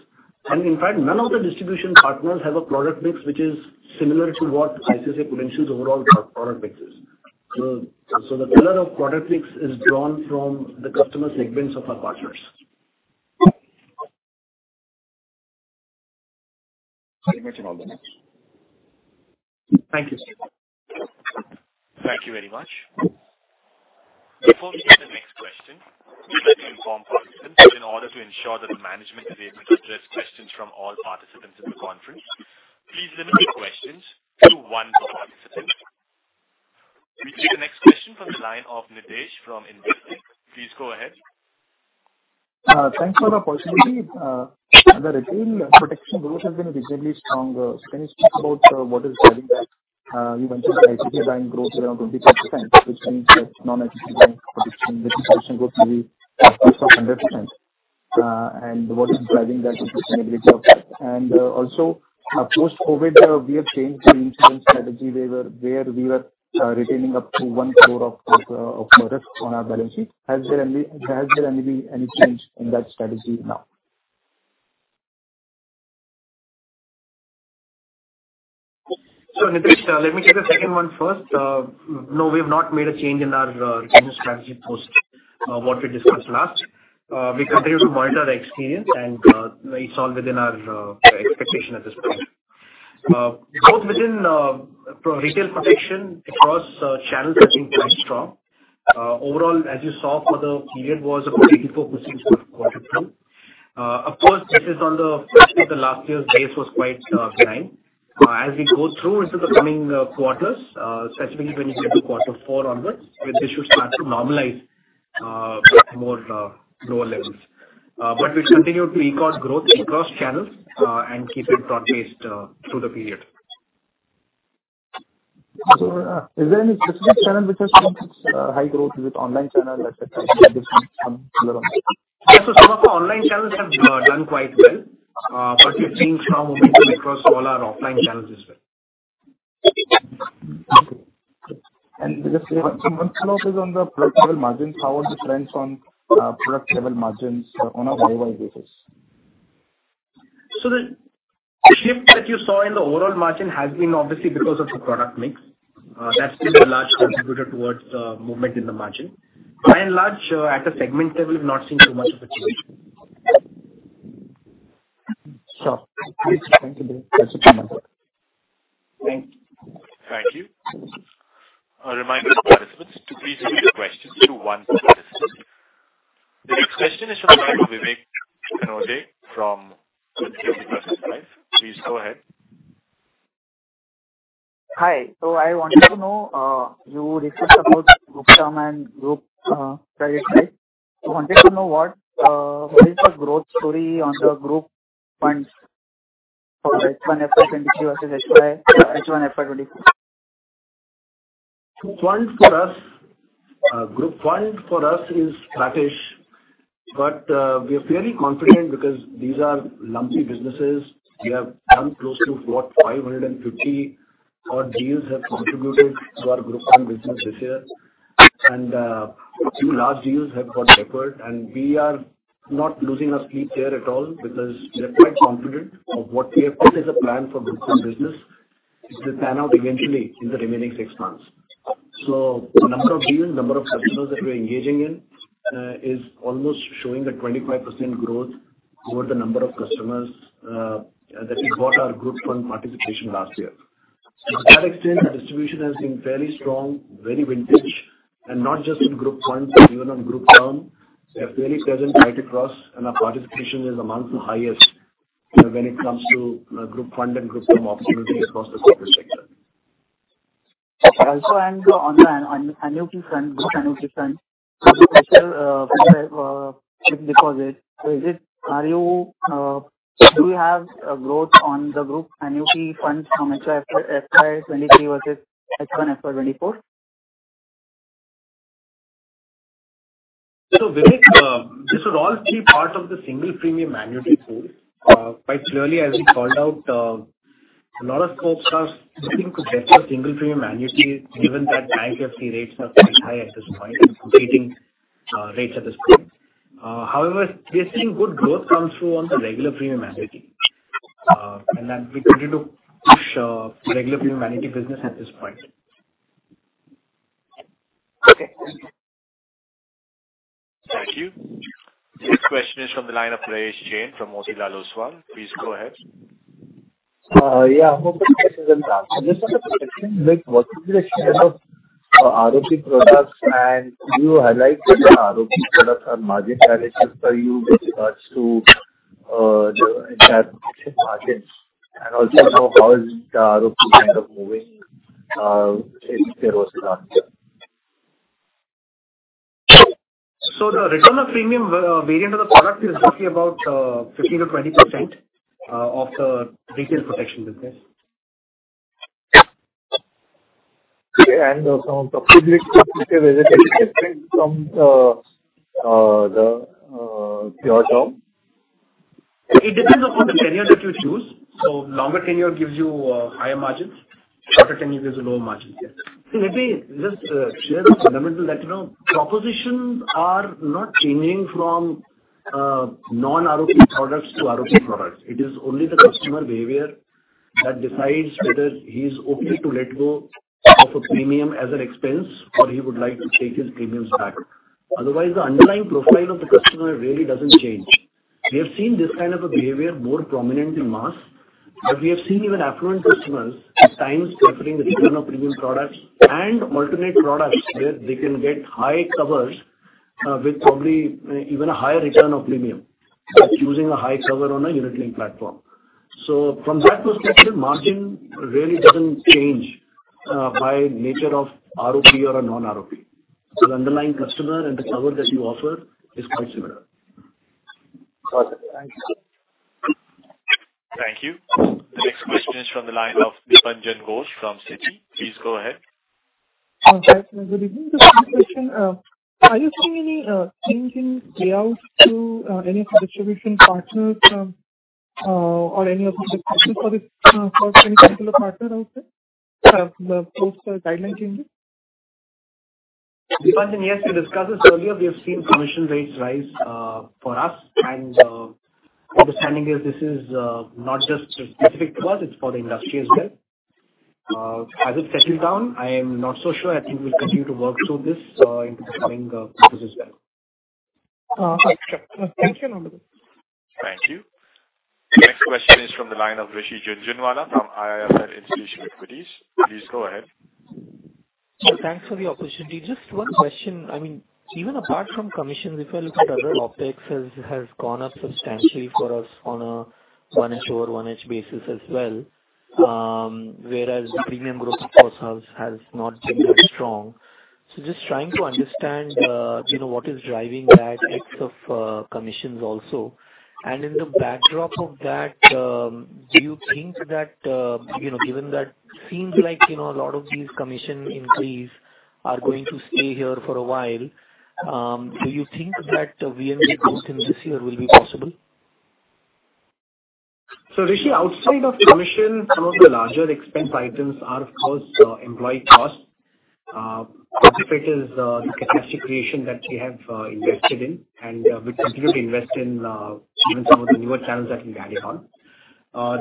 And in fact, none of the distribution partners have a product mix which is similar to what ICICI Prudential's overall product mix is. So, so the pillar of product mix is drawn from the customer segments of our partners. Thank you very much. Thank you. Thank you very much. Before we take the next question, we'd like to inform participants that in order to ensure that the management is able to address questions from all participants in the conference, please limit your questions to one per participant. We take the next question from the line of Nidhesh from Investec. Please go ahead. Thanks for the opportunity. The retail protection growth has been visibly stronger. Can you speak about what is driving that? You mentioned ICICI Bank growth around 25%, which means that non-ICICI Bank protection, which is actually growth will be plus 100%. And what is driving that and the sustainability of that? And also, post-COVID, we have changed the insurance strategy, where we were retaining up to 1 crore of risk on our balance sheet. Has there been any change in that strategy now? So, Nidhesh, let me take the second one first. No, we have not made a change in our business strategy post what we discussed last. We continue to monitor the experience, and it's all within our expectation at this point. Both within retail protection across channels are seeing quite strong. Overall, as you saw for the period was about 84% quarter two. Of course, this is on the fact that the last year's base was quite prime. As we go through into the coming quarters, specifically when you get to quarter four onwards, this issue start to normalize more lower levels. But we've continued to equal growth across channels, and keep it broad-based through the period. Is there any specific channel which has seen high growth, with online channel, et cetera? Yes, so some of the online channels have done quite well, but we've seen some momentum across all our offline channels as well. Just one follow-up is on the product level margins. How are the trends on product level margins on a YY basis?... So the shift that you saw in the overall margin has been obviously because of the product mix. That's been a large contributor towards movement in the margin. By and large, at the segment level, we've not seen too much of a change. Sure. Thank you very much. Thank you. Thank you. A reminder to participants to please limit questions to one per participant. The next question is from the line of Vivek Anand from Prabhudas Lilladher. Please go ahead. Hi. So I wanted to know, you discussed about group term and group credit, right? I wanted to know what, what is the growth story on the group funds for H1 FY 2023 versus H1 FY 2024? Funds for us, group fund for us is flattish, but, we are fairly confident because these are lumpy businesses. We have done close to 550 odd deals have contributed to our group term business this year. Two large deals have got deferred, and we are not losing our sleep there at all because we are quite confident of what we have put as a plan for group term business is to pan out eventually in the remaining six months. Number of deals, number of customers that we're engaging in, is almost showing the 25% growth over the number of customers, that we got our group fund participation last year. To that extent, the distribution has been fairly strong, very vintage, and not just in group funds, but even on group term. We are fairly present right across, and our participation is among the highest, when it comes to, group fund and group term opportunities across the sector. On the annuity fund, this annuity fund deposit. So, is it, are you, do you have a growth on the group annuity funds from H1 FY 2023 versus H1 FY 2024? So, Vivek, this would all be part of the single premium annuity pool. Quite clearly, as we called out, a lot of co-ops are looking to bet on single premium annuity, given that bank FD rates are quite high at this point, competing rates at this point. However, we are seeing good growth come through on the regular premium annuity, and then we continue to push regular premium annuity business at this point. Okay, thank you. Thank you. The next question is from the line of Prayesh Jain from Motilal Oswal. Please go ahead. Yeah, hope this is a answer. This is a question with what is the share of ROP products, and you highlight that the ROP products are margin battleship for you with regards to the entire margin. And also how is the ROP kind of moving in the roadmap? The Return of Premium variant of the product is roughly about 15%-20% of the retail protection business. Okay, and from the public, is it different from the your term? It depends upon the tenure that you choose. So longer tenure gives you higher margins, shorter tenure gives you lower margins. Yes. Let me just share the fundamental that, you know, propositions are not changing from non-ROP products to ROP products. It is only the customer behavior that decides whether he's okay to let go of a premium as an expense, or he would like to take his premiums back. Otherwise, the underlying profile of the customer really doesn't change. We have seen this kind of a behavior more prominent in mass, but we have seen even affluent customers at times preferring the return of premium products and alternate products, where they can get high covers with probably even a higher return of premium, but using a high cover on a unit link platform. So from that perspective, margin really doesn't change by nature of ROP or a non-ROP. So the underlying customer and the cover that you offer is quite similar. Got it. Thank you. Thank you. The next question is from the line of Dipanjan Ghosh from Citi. Please go ahead. Okay, good evening. Just one question. Are you seeing any change in layout to any of the distribution partners, or any of the partners for this, for any particular partner out there, post guideline changes? Dipanjan, yes, we discussed this earlier. We have seen commission rates rise, for us, and understanding is this is not just specific to us, it's for the industry as well. Has it settled down? I am not so sure. I think we'll continue to work through this, into the coming quarters as well. Okay. Thank you. Thank you. The next question is from the line of Rishi Jhunjhunwala from IIFL Institution Equities. Please go ahead. Thanks for the opportunity. Just one question, I mean, even apart from commissions, if I look at other OpEx has gone up substantially for us on a year-over-year basis as well, whereas premium growth of course, has not been that strong. So just trying to understand, you know, what is driving that mix of commissions also. And in the backdrop of that, do you think that, you know, given that seems like, you know, a lot of these commission increase are going to stay here for a while, do you think that VNB growth in this year will be possible? So, Rishi, outside of commission, some of the larger expense items are, of course, employee costs. First, it is the capacity creation that we have invested in, and we continue to invest in, even some of the newer channels that we carry on.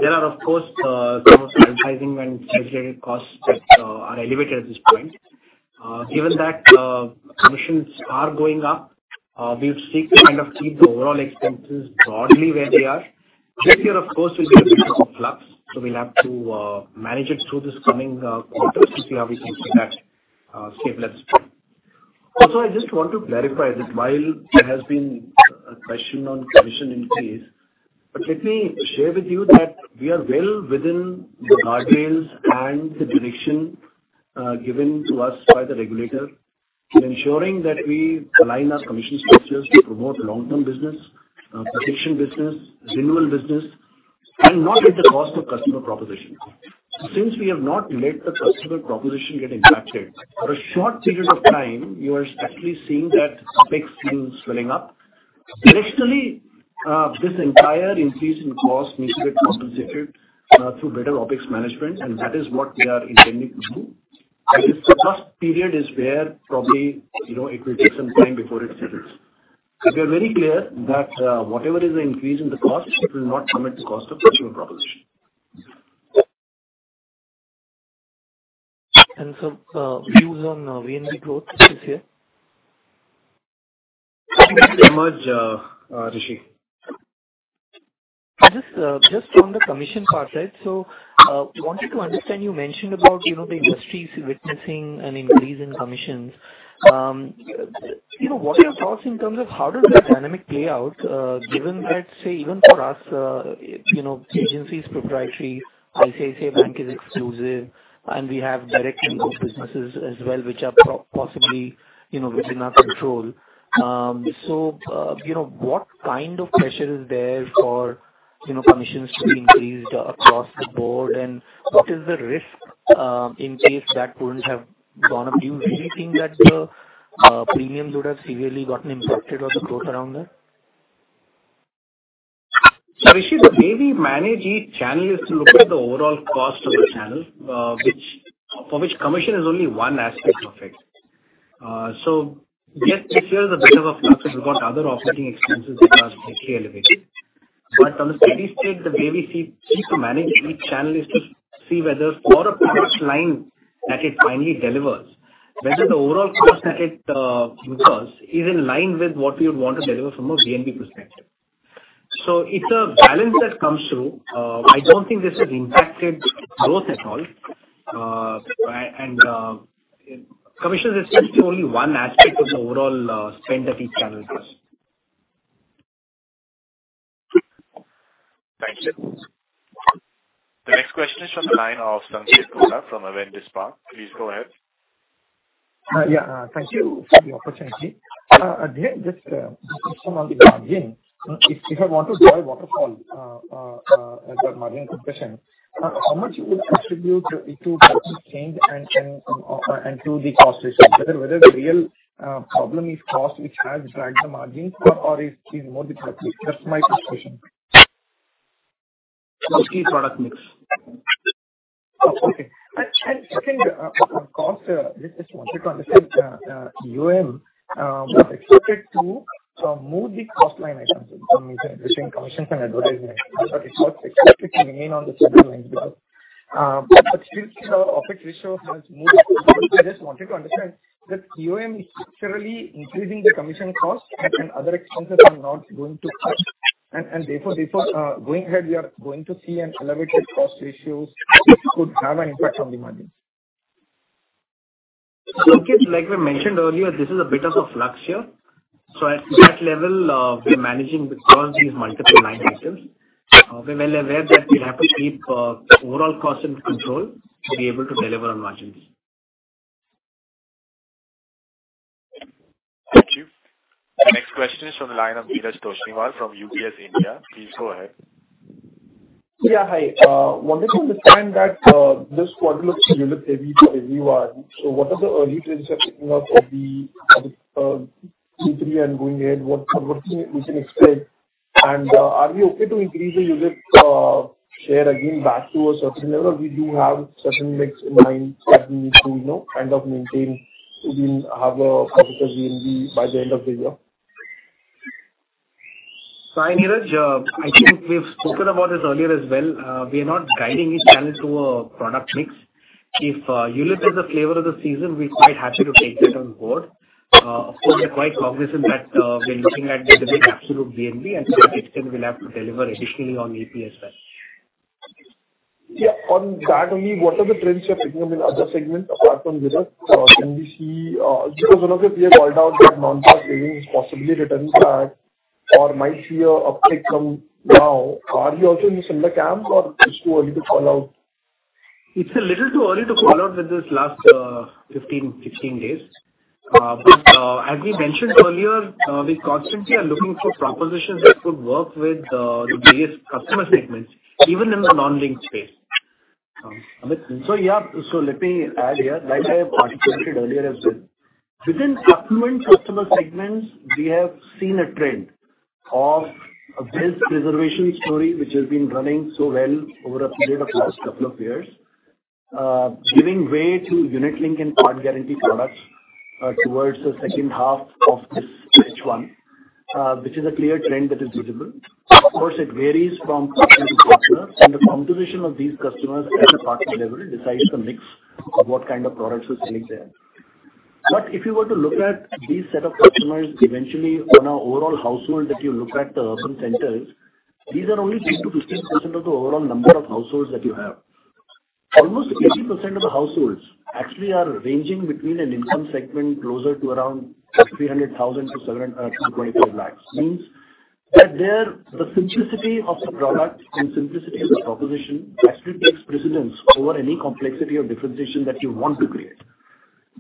There are, of course, some of the advertising and associated costs that are elevated at this point. Given that commissions are going up, we would seek to kind of keep the overall expenses broadly where they are. This year, of course, will be a bit of a flux, so we'll have to manage it through this coming quarter to see how we can keep that stable at scale. Also, I just want to clarify that while there has been a question on commission increase, but let me share with you that we are well within the guardrails and the direction given to us by the regulator in ensuring that we align our commission structures to promote long-term business, protection business, renewal business, and not at the cost of customer proposition. Since we have not let the customer proposition get impacted, for a short period of time, you are actually seeing that OpEx seems swelling up. Additionally, this entire increase in cost needs to get compensated through better OpEx management, and that is what we are intending to do. This first period is where probably, you know, it will take some time before it settles. We are very clear that, whatever is the increase in the cost, it will not come at the cost of customer proposition. Some views on VNB growth this year? Thank you so much, Rishi. Just, just from the commission part, right? So, wanted to understand, you know, the industry is witnessing an increase in commissions. You know, what are your thoughts in terms of how does that dynamic play out, given that, say, even for us, you know, agency is proprietary, ICICI Bank is exclusive, and we have direct input businesses as well, which are possibly, you know, within our control. So, you know, what kind of pressure is there for, you know, commissions to be increased across the board? And what is the risk, in case that wouldn't have gone up? Do you really think that the premiums would have severely gotten impacted or the growth around that? So Rishi, the way we manage each channel is to look at the overall cost of the channel, which, for which commission is only one aspect of it. So yes, this year is a bit of a flux because we've got other operating expenses that are slightly elevated. But on a steady state, the way we seek to manage each channel is to see whether for a product line that it finally delivers, whether the overall cost that it incurs is in line with what we would want to deliver from a VNB perspective. So it's a balance that comes through. I don't think this has impacted growth at all. And commissions is simply only one aspect of the overall spend that each channel does. Thank you. The next question is from the line of Sanketh Godha from Avendus Spark. Please go ahead. Yeah, thank you for the opportunity. Again, just, just to come on the margin, if, if I want to draw a waterfall, the margin compression, how much you would attribute it to change and, and, and to the cost ratio? Whether, whether the real problem is cost, which has dragged the margin or is, is more the product. That's my first question. Mostly product mix. Okay. And second, cost, just wanted to understand, was expected to move the cost line items between commission and advertising. I thought it was expected to remain on the same line as well. But still the OpEx ratio has moved. I just wanted to understand that is literally increasing the commission cost and other expenses are not going to cut. And therefore, going ahead, we are going to see an elevated cost ratios which could have an impact on the margin. Sanket, like we mentioned earlier, this is a bit of a flux year. So at that level, we're managing across these multiple line items. We're well aware that we have to keep the overall cost in control to be able to deliver on margins. Thank you. The next question is from the line of Neeraj Toshniwal from UBS India. Please go ahead. Yeah, hi. Wanted to understand that, this quarter looks ULIP heavy for everyone. So what are the early trends you're picking up for the, Q3 and going ahead, what, what we can expect? And, are we okay to increase the user, share again back to a certain level? We do have certain mix in mind that we need to, you know, kind of maintain to have a profitable VNB by the end of the year. So hi, Neeraj. I think we've spoken about this earlier as well. We are not guiding each channel to a product mix. If ULIP is the flavor of the season, we're quite happy to take that on board. Of course, we're quite cognizant that we're looking at the absolute VNB, and so it can will have to deliver additionally on AP as well. Yeah, on that only, what are the trends you're picking up in other segments apart from business? Can we see... Because one of your peers called out that non-life savings possibly returns back or might see a uptick come now. Are you also in similar camp or it's too early to call out? It's a little too early to call out with this last 15, 16 days. But, as we mentioned earlier, we constantly are looking for propositions that could work with the various customer segments, even in the non-linked space. Amit, so, yeah, so let me add here, like I have articulated earlier as well-... Within customer, customer segments, we have seen a trend of this reservation story, which has been running so well over a period of last couple of years, giving way to unit-linked and par guarantee products, towards the second half of this H1, which is a clear trend that is visible. Of course, it varies from customer to customer, and the composition of these customers at the partner level decides the mix of what kind of products are selling there. But if you were to look at these set of customers, eventually on our overall household, that you look at the urban centers, these are only 10%-15% of the overall number of households that you have. Almost 80% of the households actually are ranging between an income segment closer to around 300,000 to 7-- 2.5 lakhs. Means that there, the simplicity of the product and simplicity of the proposition actually takes precedence over any complexity or differentiation that you want to create.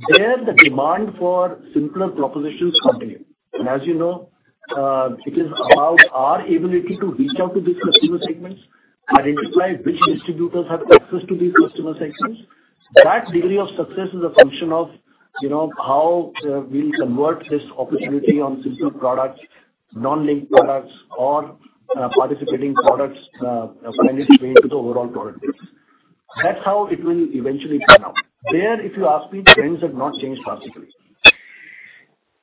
There, the demand for simpler propositions continue. And as you know, it is about our disability to reach out to these customer segments, identify which distributors have access to these customer segments. That degree of success is a function of, you know, how, we'll convert this opportunity on simpler products, non-linked products or, participating products, finally to the overall product base. That's how it will eventually pan out. There, if you ask me, the trends have not changed drastically.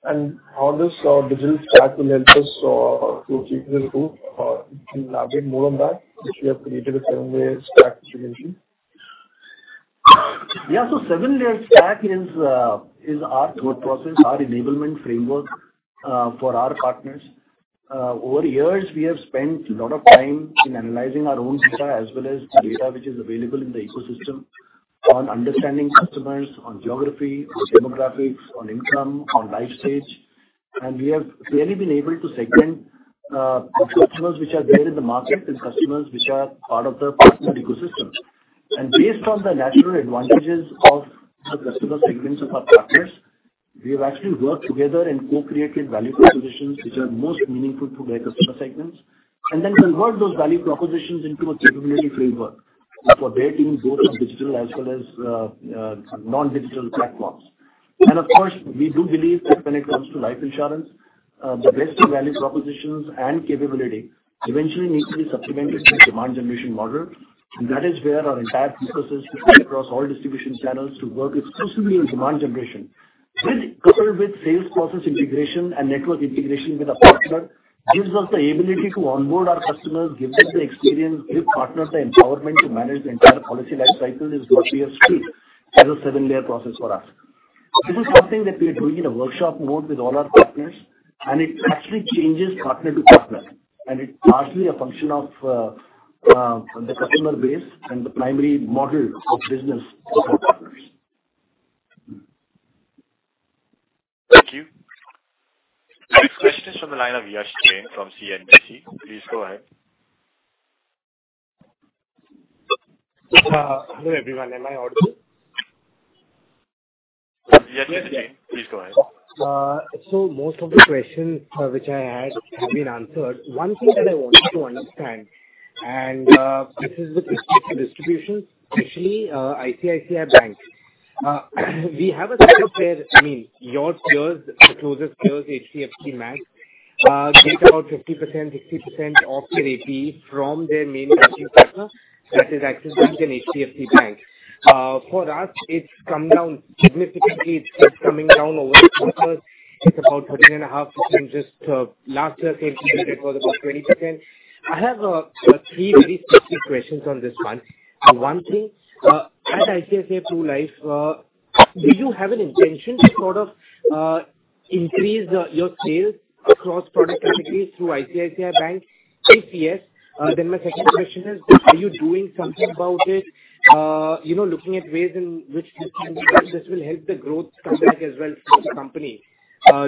How this digital stack will help us to achieve this goal? Can you elaborate more on that, which we have created a seven-layer stack distribution? Yeah. So seven-layer stack is, is our thought process, our enablement framework, for our partners. Over years, we have spent a lot of time in analyzing our own data as well as the data which is available in the ecosystem, on understanding customers, on geography, on demographics, on income, on life stage. And we have clearly been able to segment, customers which are there in the market and customers which are part of the partner ecosystem. And based on the natural advantages of the customer segments of our partners, we have actually worked together and co-created value propositions which are most meaningful to their customer segments, and then convert those value propositions into a capability framework for their team, both on digital as well as, non-digital platforms. Of course, we do believe that when it comes to life insurance, the best value propositions and capability eventually need to be supplemented with demand generation model. That is where our entire processes sit across all distribution channels to work exclusively in demand generation. Coupled with sales process integration and network integration with a partner, this gives us the ability to onboard our customers, give them the experience, give partners the empowerment to manage the entire policy life cycle, which is what we have seen as a seven-layer process for us. This is something that we are doing in a workshop mode with all our partners, and it actually changes partner to partner, and it's largely a function of the customer base and the primary model of business for partners. Thank you. Next question is from the line of Yash Jain from CNBC. Please go ahead. Hello, everyone. Am I audible? Yes, Yash Jain. Please go ahead. So most of the questions which I had have been answered. One thing that I wanted to understand, and this is with respect to distribution, especially ICICI Bank. We have a set of players, I mean, your peers, closest peers, HDFC Bank get about 50%, 60% of their AP from their main banking partner. That is Axis Bank and HDFC Bank. For us, it's come down significantly. It's kept coming down over the quarters. It's about 13.5%, just last quarter it was about 20%. I have three very specific questions on this one. One thing, at ICICI Pru Life, do you have an intention to sort of increase your sales across product categories through ICICI Bank? If yes, then my second question is: Are you doing something about it? You know, looking at ways in which this can, this will help the growth come back as well for the company.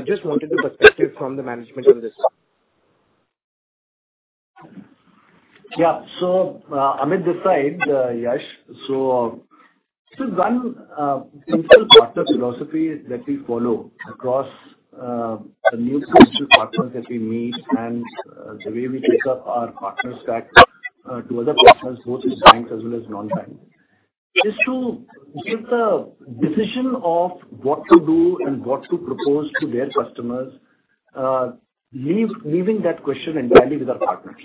Just wanted the perspective from the management on this. Yeah. So, Amit this side, Yash. So there's one central partner philosophy that we follow across the new set of partners that we meet and the way we take up our partner stack to other partners, both in banks as well as non-bank. Is to give the decision of what to do and what to propose to their customers, leaving that question and value with our partners.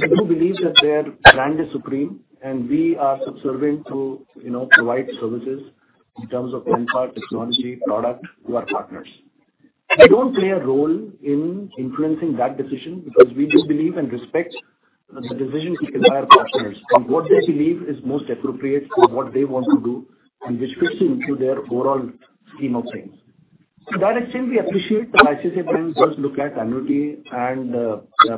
We do believe that their brand is supreme, and we are subservient to, you know, provide services in terms of insight, technology, product to our partners. We don't play a role in influencing that decision because we do believe and respect the decisions of our partners and what they believe is most appropriate for what they want to do and which fits into their overall scheme of things. So that is still we appreciate that ICICI Bank does look at annuity and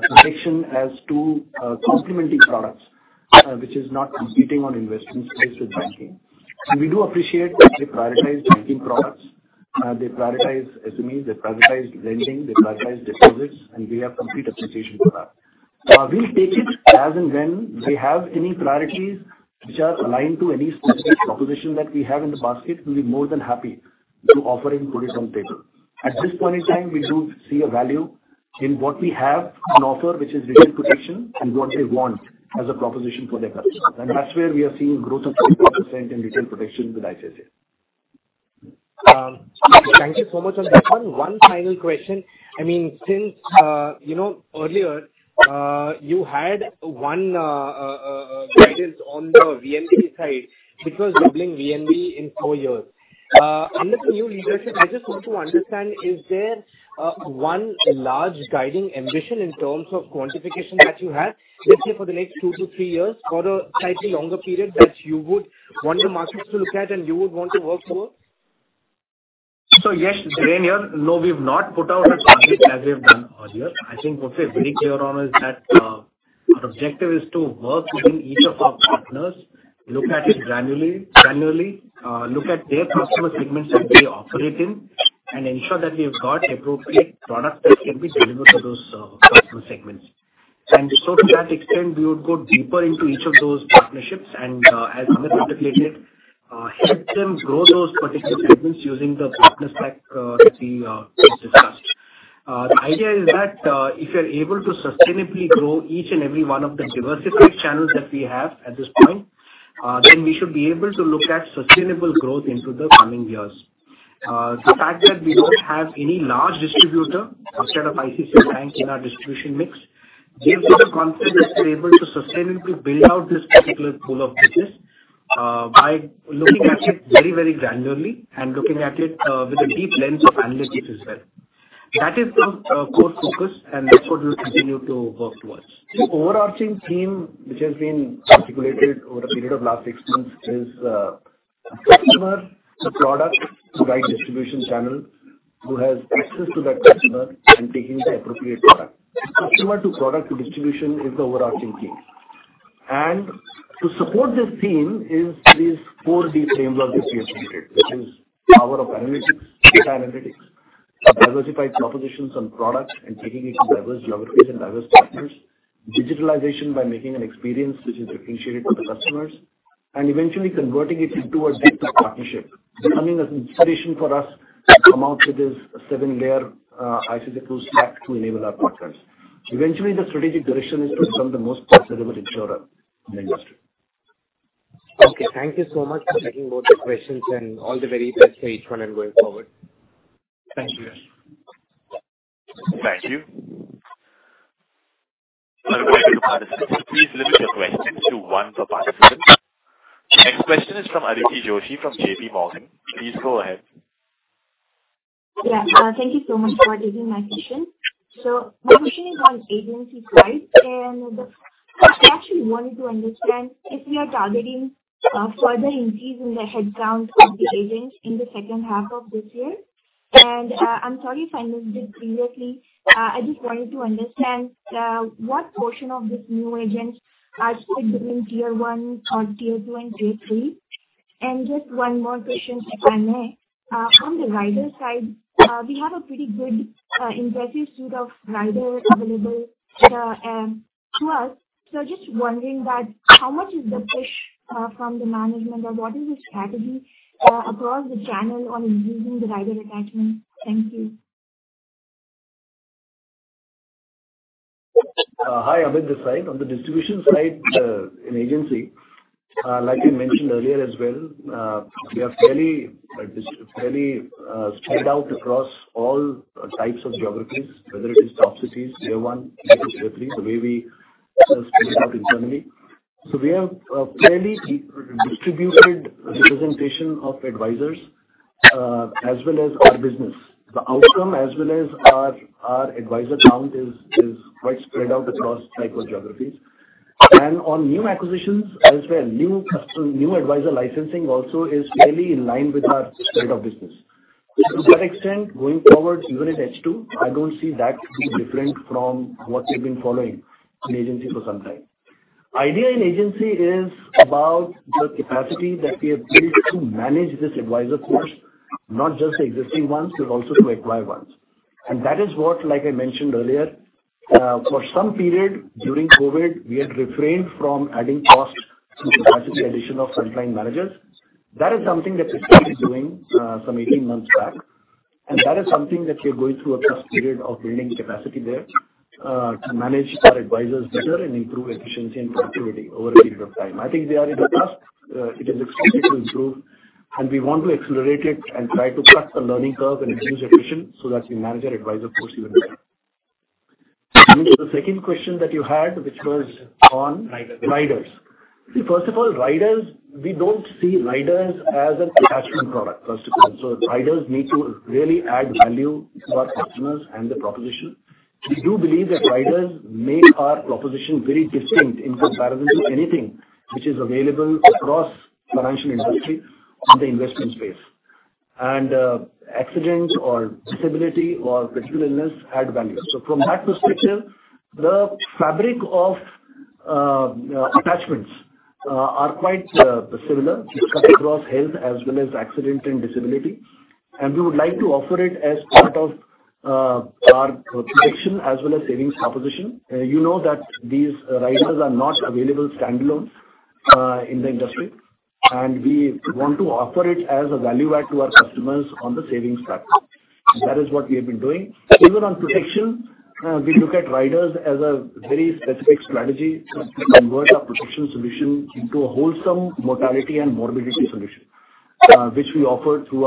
protection as two complementary products, which is not competing on investment space with banking. And we do appreciate that they prioritize banking products. They prioritize SME, they prioritize lending, they prioritize deposits, and we have complete appreciation for that. We'll take it as and when they have any priorities which are aligned to any specific proposition that we have in the basket, we'll be more than happy to offer and put it on the table.... At this point in time, we do see a value in what we have on offer, which is retail protection, and what they want as a proposition for their customers. That's where we are seeing growth of 24% in retail protection with ICICI. Thank you so much on that one. One final question. I mean, since you know, earlier, you had one guidance on the VNB side, which was doubling VNB in four years. Under the new leadership, I just want to understand, is there one large guiding ambition in terms of quantification that you have, let's say, for the next two to three years, for a slightly longer period, that you would want the markets to look at and you would want to work towards? So yes, Dhiren here. No, we've not put out a target as we have done earlier. I think what we're very clear on is that our objective is to work within each of our partners, look at it granularly, granularly, look at their customer segments that they operate in, and ensure that we have got appropriate products that can be delivered to those customer segments. And so to that extent, we would go deeper into each of those partnerships and, as Amit articulated, help them grow those particular segments using the partner stack that we just discussed. The idea is that if you're able to sustainably grow each and every one of the diversified channels that we have at this point, then we should be able to look at sustainable growth into the coming years. The fact that we don't have any large distributor outside of ICICI Bank in our distribution mix, gives us the confidence to be able to sustainably build out this particular pool of business, by looking at it very, very granularly and looking at it, with a deep lens of analytics as well. That is the core focus, and that's what we'll continue to work towards. The overarching theme, which has been articulated over a period of last six months, is, customer to product to right distribution channel, who has access to that customer and taking the appropriate product. Customer to product to distribution is the overarching theme. To support this theme is these 4D framework that we have created, which is power of analytics, data analytics, diversified propositions on products and taking it to diverse geographies and diverse partners, digitalization by making an experience which is differentiated for the customers, and eventually converting it into a deeper partnership. Becoming an inspiration for us to come out with this seven-layer, ICICI Pru Stack to enable our partners. Eventually, the strategic direction is to become the most customer-driven insurer in the industry. Okay, thank you so much for taking both the questions and all the very best to each one and going forward. Thank you. Thank you. Thank you. Please limit your question to one per participant. Next question is from Aditi Joshi, from J.P. Morgan. Please go ahead. Yeah, thank you so much for taking my question. So my question is on agency side, and I actually wanted to understand if we are targeting further increase in the headcount of the agent in the second half of this year. And, I'm sorry if I missed it previously, I just wanted to understand what portion of this new agent are still giving Tier 1 or Tier 2 and Tier 3? And just one more question, if I may. On the rider side, we have a pretty good incentive suite of rider available to us. So just wondering that, how much is the push from the management or what is the strategy across the channel on increasing the rider attachment? Thank you. Hi, Amit Palta. On the distribution side, in agency, like I mentioned earlier as well, we are fairly, fairly, spread out across all types of geographies, whether it is top cities, Tier 1, Tier 3, the way we spread out internally. So we have a fairly deep distributed representation of advisors, as well as our business. The outcome as well as our advisor count is quite spread out across cycle geographies. And on new acquisitions as well, new customer, new advisor licensing also is fairly in line with our state of business. To that extent, going forward, even at H2, I don't see that being different from what we've been following in agency for some time. Idea in agency is about the capacity that we have built to manage this advisor force, not just the existing ones, but also to acquire ones. That is what, like I mentioned earlier, for some period during COVID, we had refrained from adding costs to capacity addition of frontline managers. That is something that we started doing, some 18 months back, and that is something that we are going through a test period of building capacity there, to manage our advisors better and improve efficiency and productivity over a period of time. I think they are in the task, it is expected to improve, and we want to accelerate it and try to cut the learning curve and improve efficiency so that we manage our advisor force even better. Coming to the second question that you had, which was on- Riders. - riders. See, first of all, riders, we don't see riders as an attachment product, first of all. So riders need to really add value to our customers and the proposition. We do believe that riders make our proposition very distinct in comparison to anything which is available across financial industry on the investment space. And, accidents or disability or critical illness add value. So from that perspective, the fabric of, attachments, are quite, similar across health as well as accident and disability, and we would like to offer it as part of, our protection as well as savings proposition. You know that these riders are not available standalone... in the industry, and we want to offer it as a value add to our customers on the savings track. That is what we have been doing. Even on protection, we look at riders as a very specific strategy to convert our protection solution into a wholesome mortality and morbidity solution, which we offer through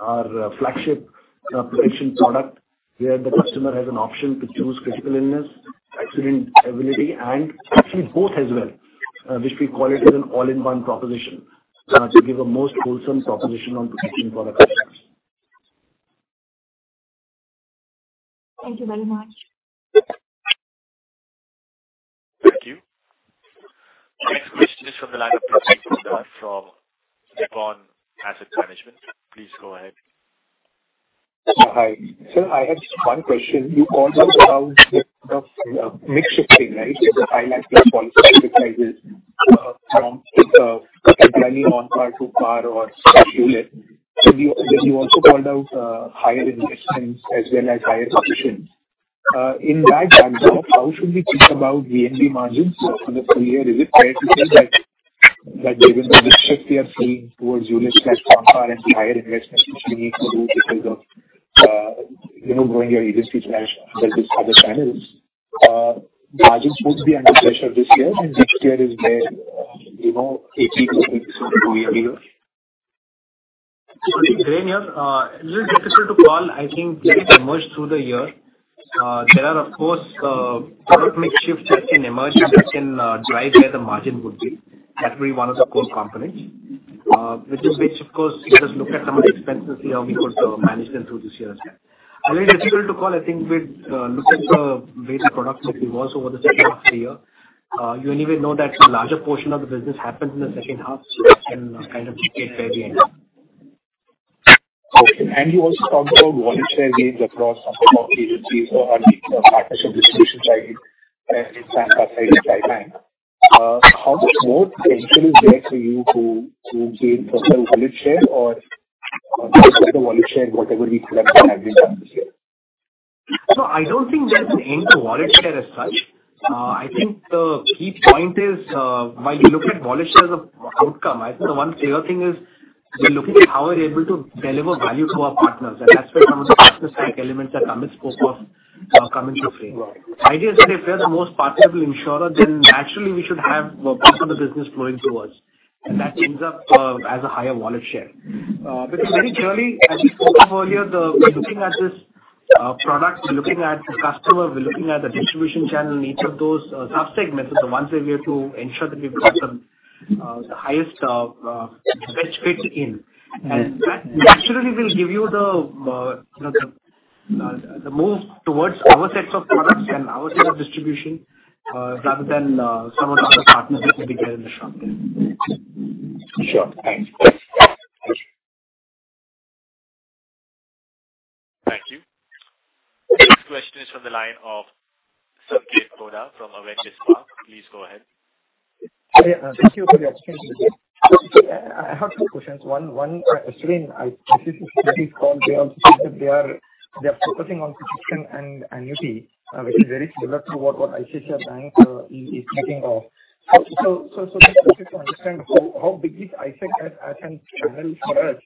our flagship protection product, where the customer has an option to choose critical illness, accident, ability, and actually, both as well, which we call it as an all-in-one proposition, to give a most wholesome proposition on protection for our customers. Thank you very much. Thank you. Next question is from the line of Pradeep Kumar from Nippon Asset Management. Please go ahead. Hi, sir, I have just one question. You called out the mix shifting, right? The high ticket platform sizes from primarily non-par to par or specialist. So you also called out higher investments as well as higher protection. In that backdrop, how should we think about VNB margins for the full year? Is it fair to say that given the shift we are seeing towards ULIP platform and higher investments, which we need to do because of, you know, growing your industry slash other channels, margins would be under pressure this year and next year? Is there, you know, a 1-2 year here? Sorry, to me, it is difficult to call. I think it emerged through the year. There are, of course, product mix shifts that can emerge and that can drive where the margin would be. That'll be one of the core components, which is, which of course, let us look at some of the expenses here, we could manage them through this year as well. I mean, it's difficult to call. I think we'd look at the way the product mix evolves over the second half of the year. You anyway know that a larger portion of the business happens in the second half, so that can kind of dictate where we end up. Okay. You also talked about wallet share gains across some of our agencies or our partnership distribution side in this timeline. How much more potential is there for you to gain personal wallet share or the wallet share, whatever we collect on average this year? So I don't think there's an end to wallet share as such. I think the key point is, while you look at wallet share as a outcome, I think the one clear thing is we're looking at how we're able to deliver value to our partners, and that's where some of the elements that come in scope of, come into frame. Idea is that if we are the most partnerable insurer, then naturally we should have most of the business flowing through us, and that ends up, as a higher wallet share. Because very clearly, as we spoke of earlier, we're looking at this, product, we're looking at the customer, we're looking at the distribution channel in each of those, subsegments. So once we were to ensure that we've got some, the highest, best fit in, and that naturally will give you the, you know, the move towards our sets of products and our set of distribution, rather than, some of the other partners that will be there in the shop. Sure. Thanks. Thank you. Next question is from the line of Sanketh Godha from Avendus Spark. Please go ahead. Hi, thank you for the opportunity. So I have two questions. One, speaking on this call. They are focusing on protection and annuity, which is very similar to what ICICI Bank is speaking of. So just to understand how big is ICICI as a channel for us,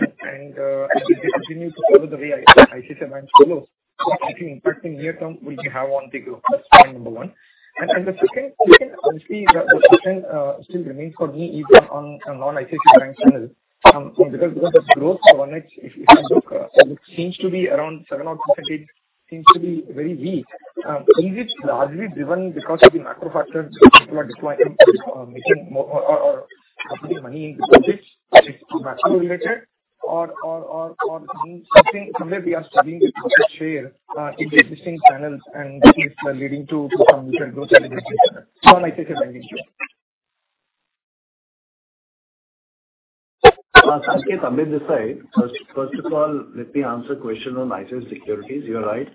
and if we continue to follow the way ICICI Bank follows, what impact in the near term will we have on the group? That's point number one. And the second question, honestly, the question still remains for me is on non-ICICI Bank channel. Because the growth on it, if you look, it seems to be around seven or eight, seems to be very weak. Is it largely driven because of the macro factors people are deploying, or making more or putting money in deposits? Is it macro related or something somewhere we are studying the market share in the existing channels and things are leading to some different growth than expected on ICICI Bank? Sanketh, Amit this side. First of all, let me answer question on ICICI Securities. You're right.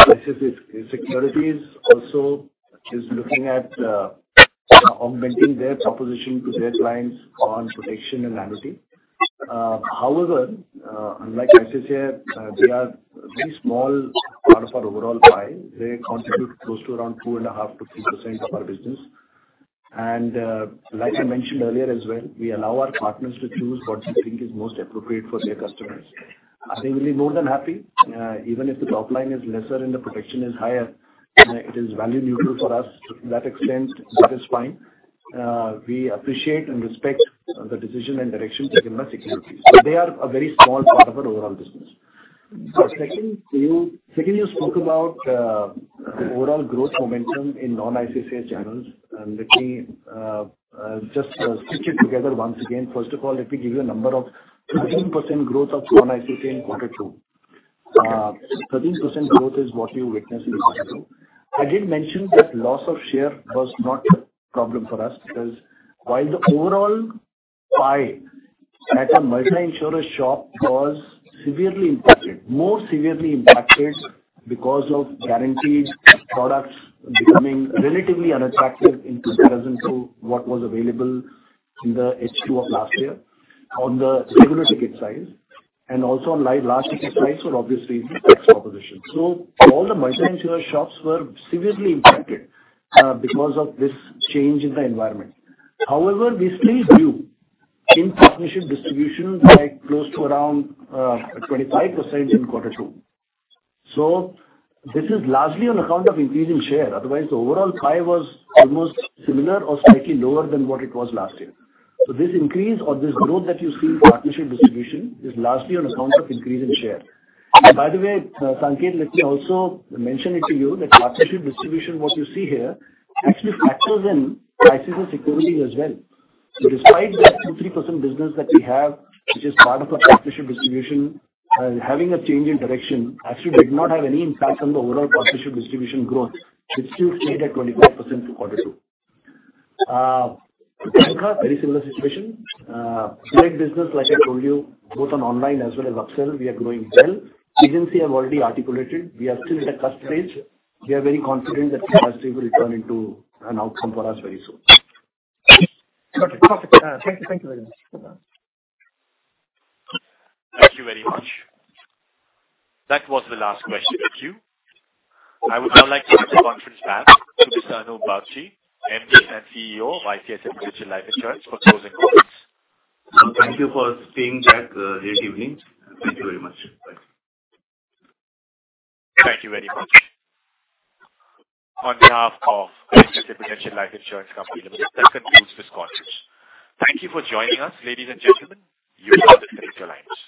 ICICI Securities also is looking at augmenting their proposition to their clients on protection and annuity. However, unlike ICICI, they are very small part of our overall pie. They contribute close to around 2.5%-3% of our business. And, like I mentioned earlier as well, we allow our partners to choose what they think is most appropriate for their customers. They will be more than happy, even if the top line is lesser and the protection is higher, it is value neutral for us. To that extent, that is fine. We appreciate and respect the decision and direction taken by Securities. So they are a very small part of our overall business. So second, you spoke about the overall growth momentum in non-ICICI channels, and let me just stitch it together once again. First of all, let me give you a number of 13% growth of non-ICICI in quarter two. 13% growth is what you witnessed in the quarter. I did mention that loss of share was not a problem for us, because while the overall pie at a multi-insurer shop was severely impacted, more severely impacted because of guaranteed products becoming relatively unattractive in comparison to what was available in the H2 of last year on the smaller ticket size and also on like large ticket size were obviously best proposition. So all the multi-insurer shops were severely impacted because of this change in the environment. However, we still grew in partnership distribution by close to around 25% in quarter two. So this is largely on account of increasing share. Otherwise, the overall pie was almost similar or slightly lower than what it was last year. So this increase or this growth that you see in partnership distribution is largely on account of increase in share. And by the way, Sanketh, let me also mention it to you that partnership distribution, what you see here, actually factors in ICICI Securities as well. So despite that 2-3% business that we have, which is part of our partnership distribution, having a change in direction actually did not have any impact on the overall partnership distribution growth. It still stayed at 25% in quarter two. Very similar situation. Direct business, like I told you, both on online as well as upsell, we are growing well. Agency, I've already articulated, we are still at a cusp stage. We are very confident that industry will turn into an outcome for us very soon. Got it. Perfect. Thank you very much. Thank you very much. That was the last question in queue. I would now like to hand the conference back to Mr. Anup Bagchi, MD and CEO of ICICI Prudential Life Insurance, for closing comments. Thank you for staying back. Good evening. Thank you very much. Bye. Thank you very much. On behalf of ICICI Prudential Life Insurance Company Limited, this concludes this conference. Thank you for joining us, ladies and gentlemen. You may disconnect your lines.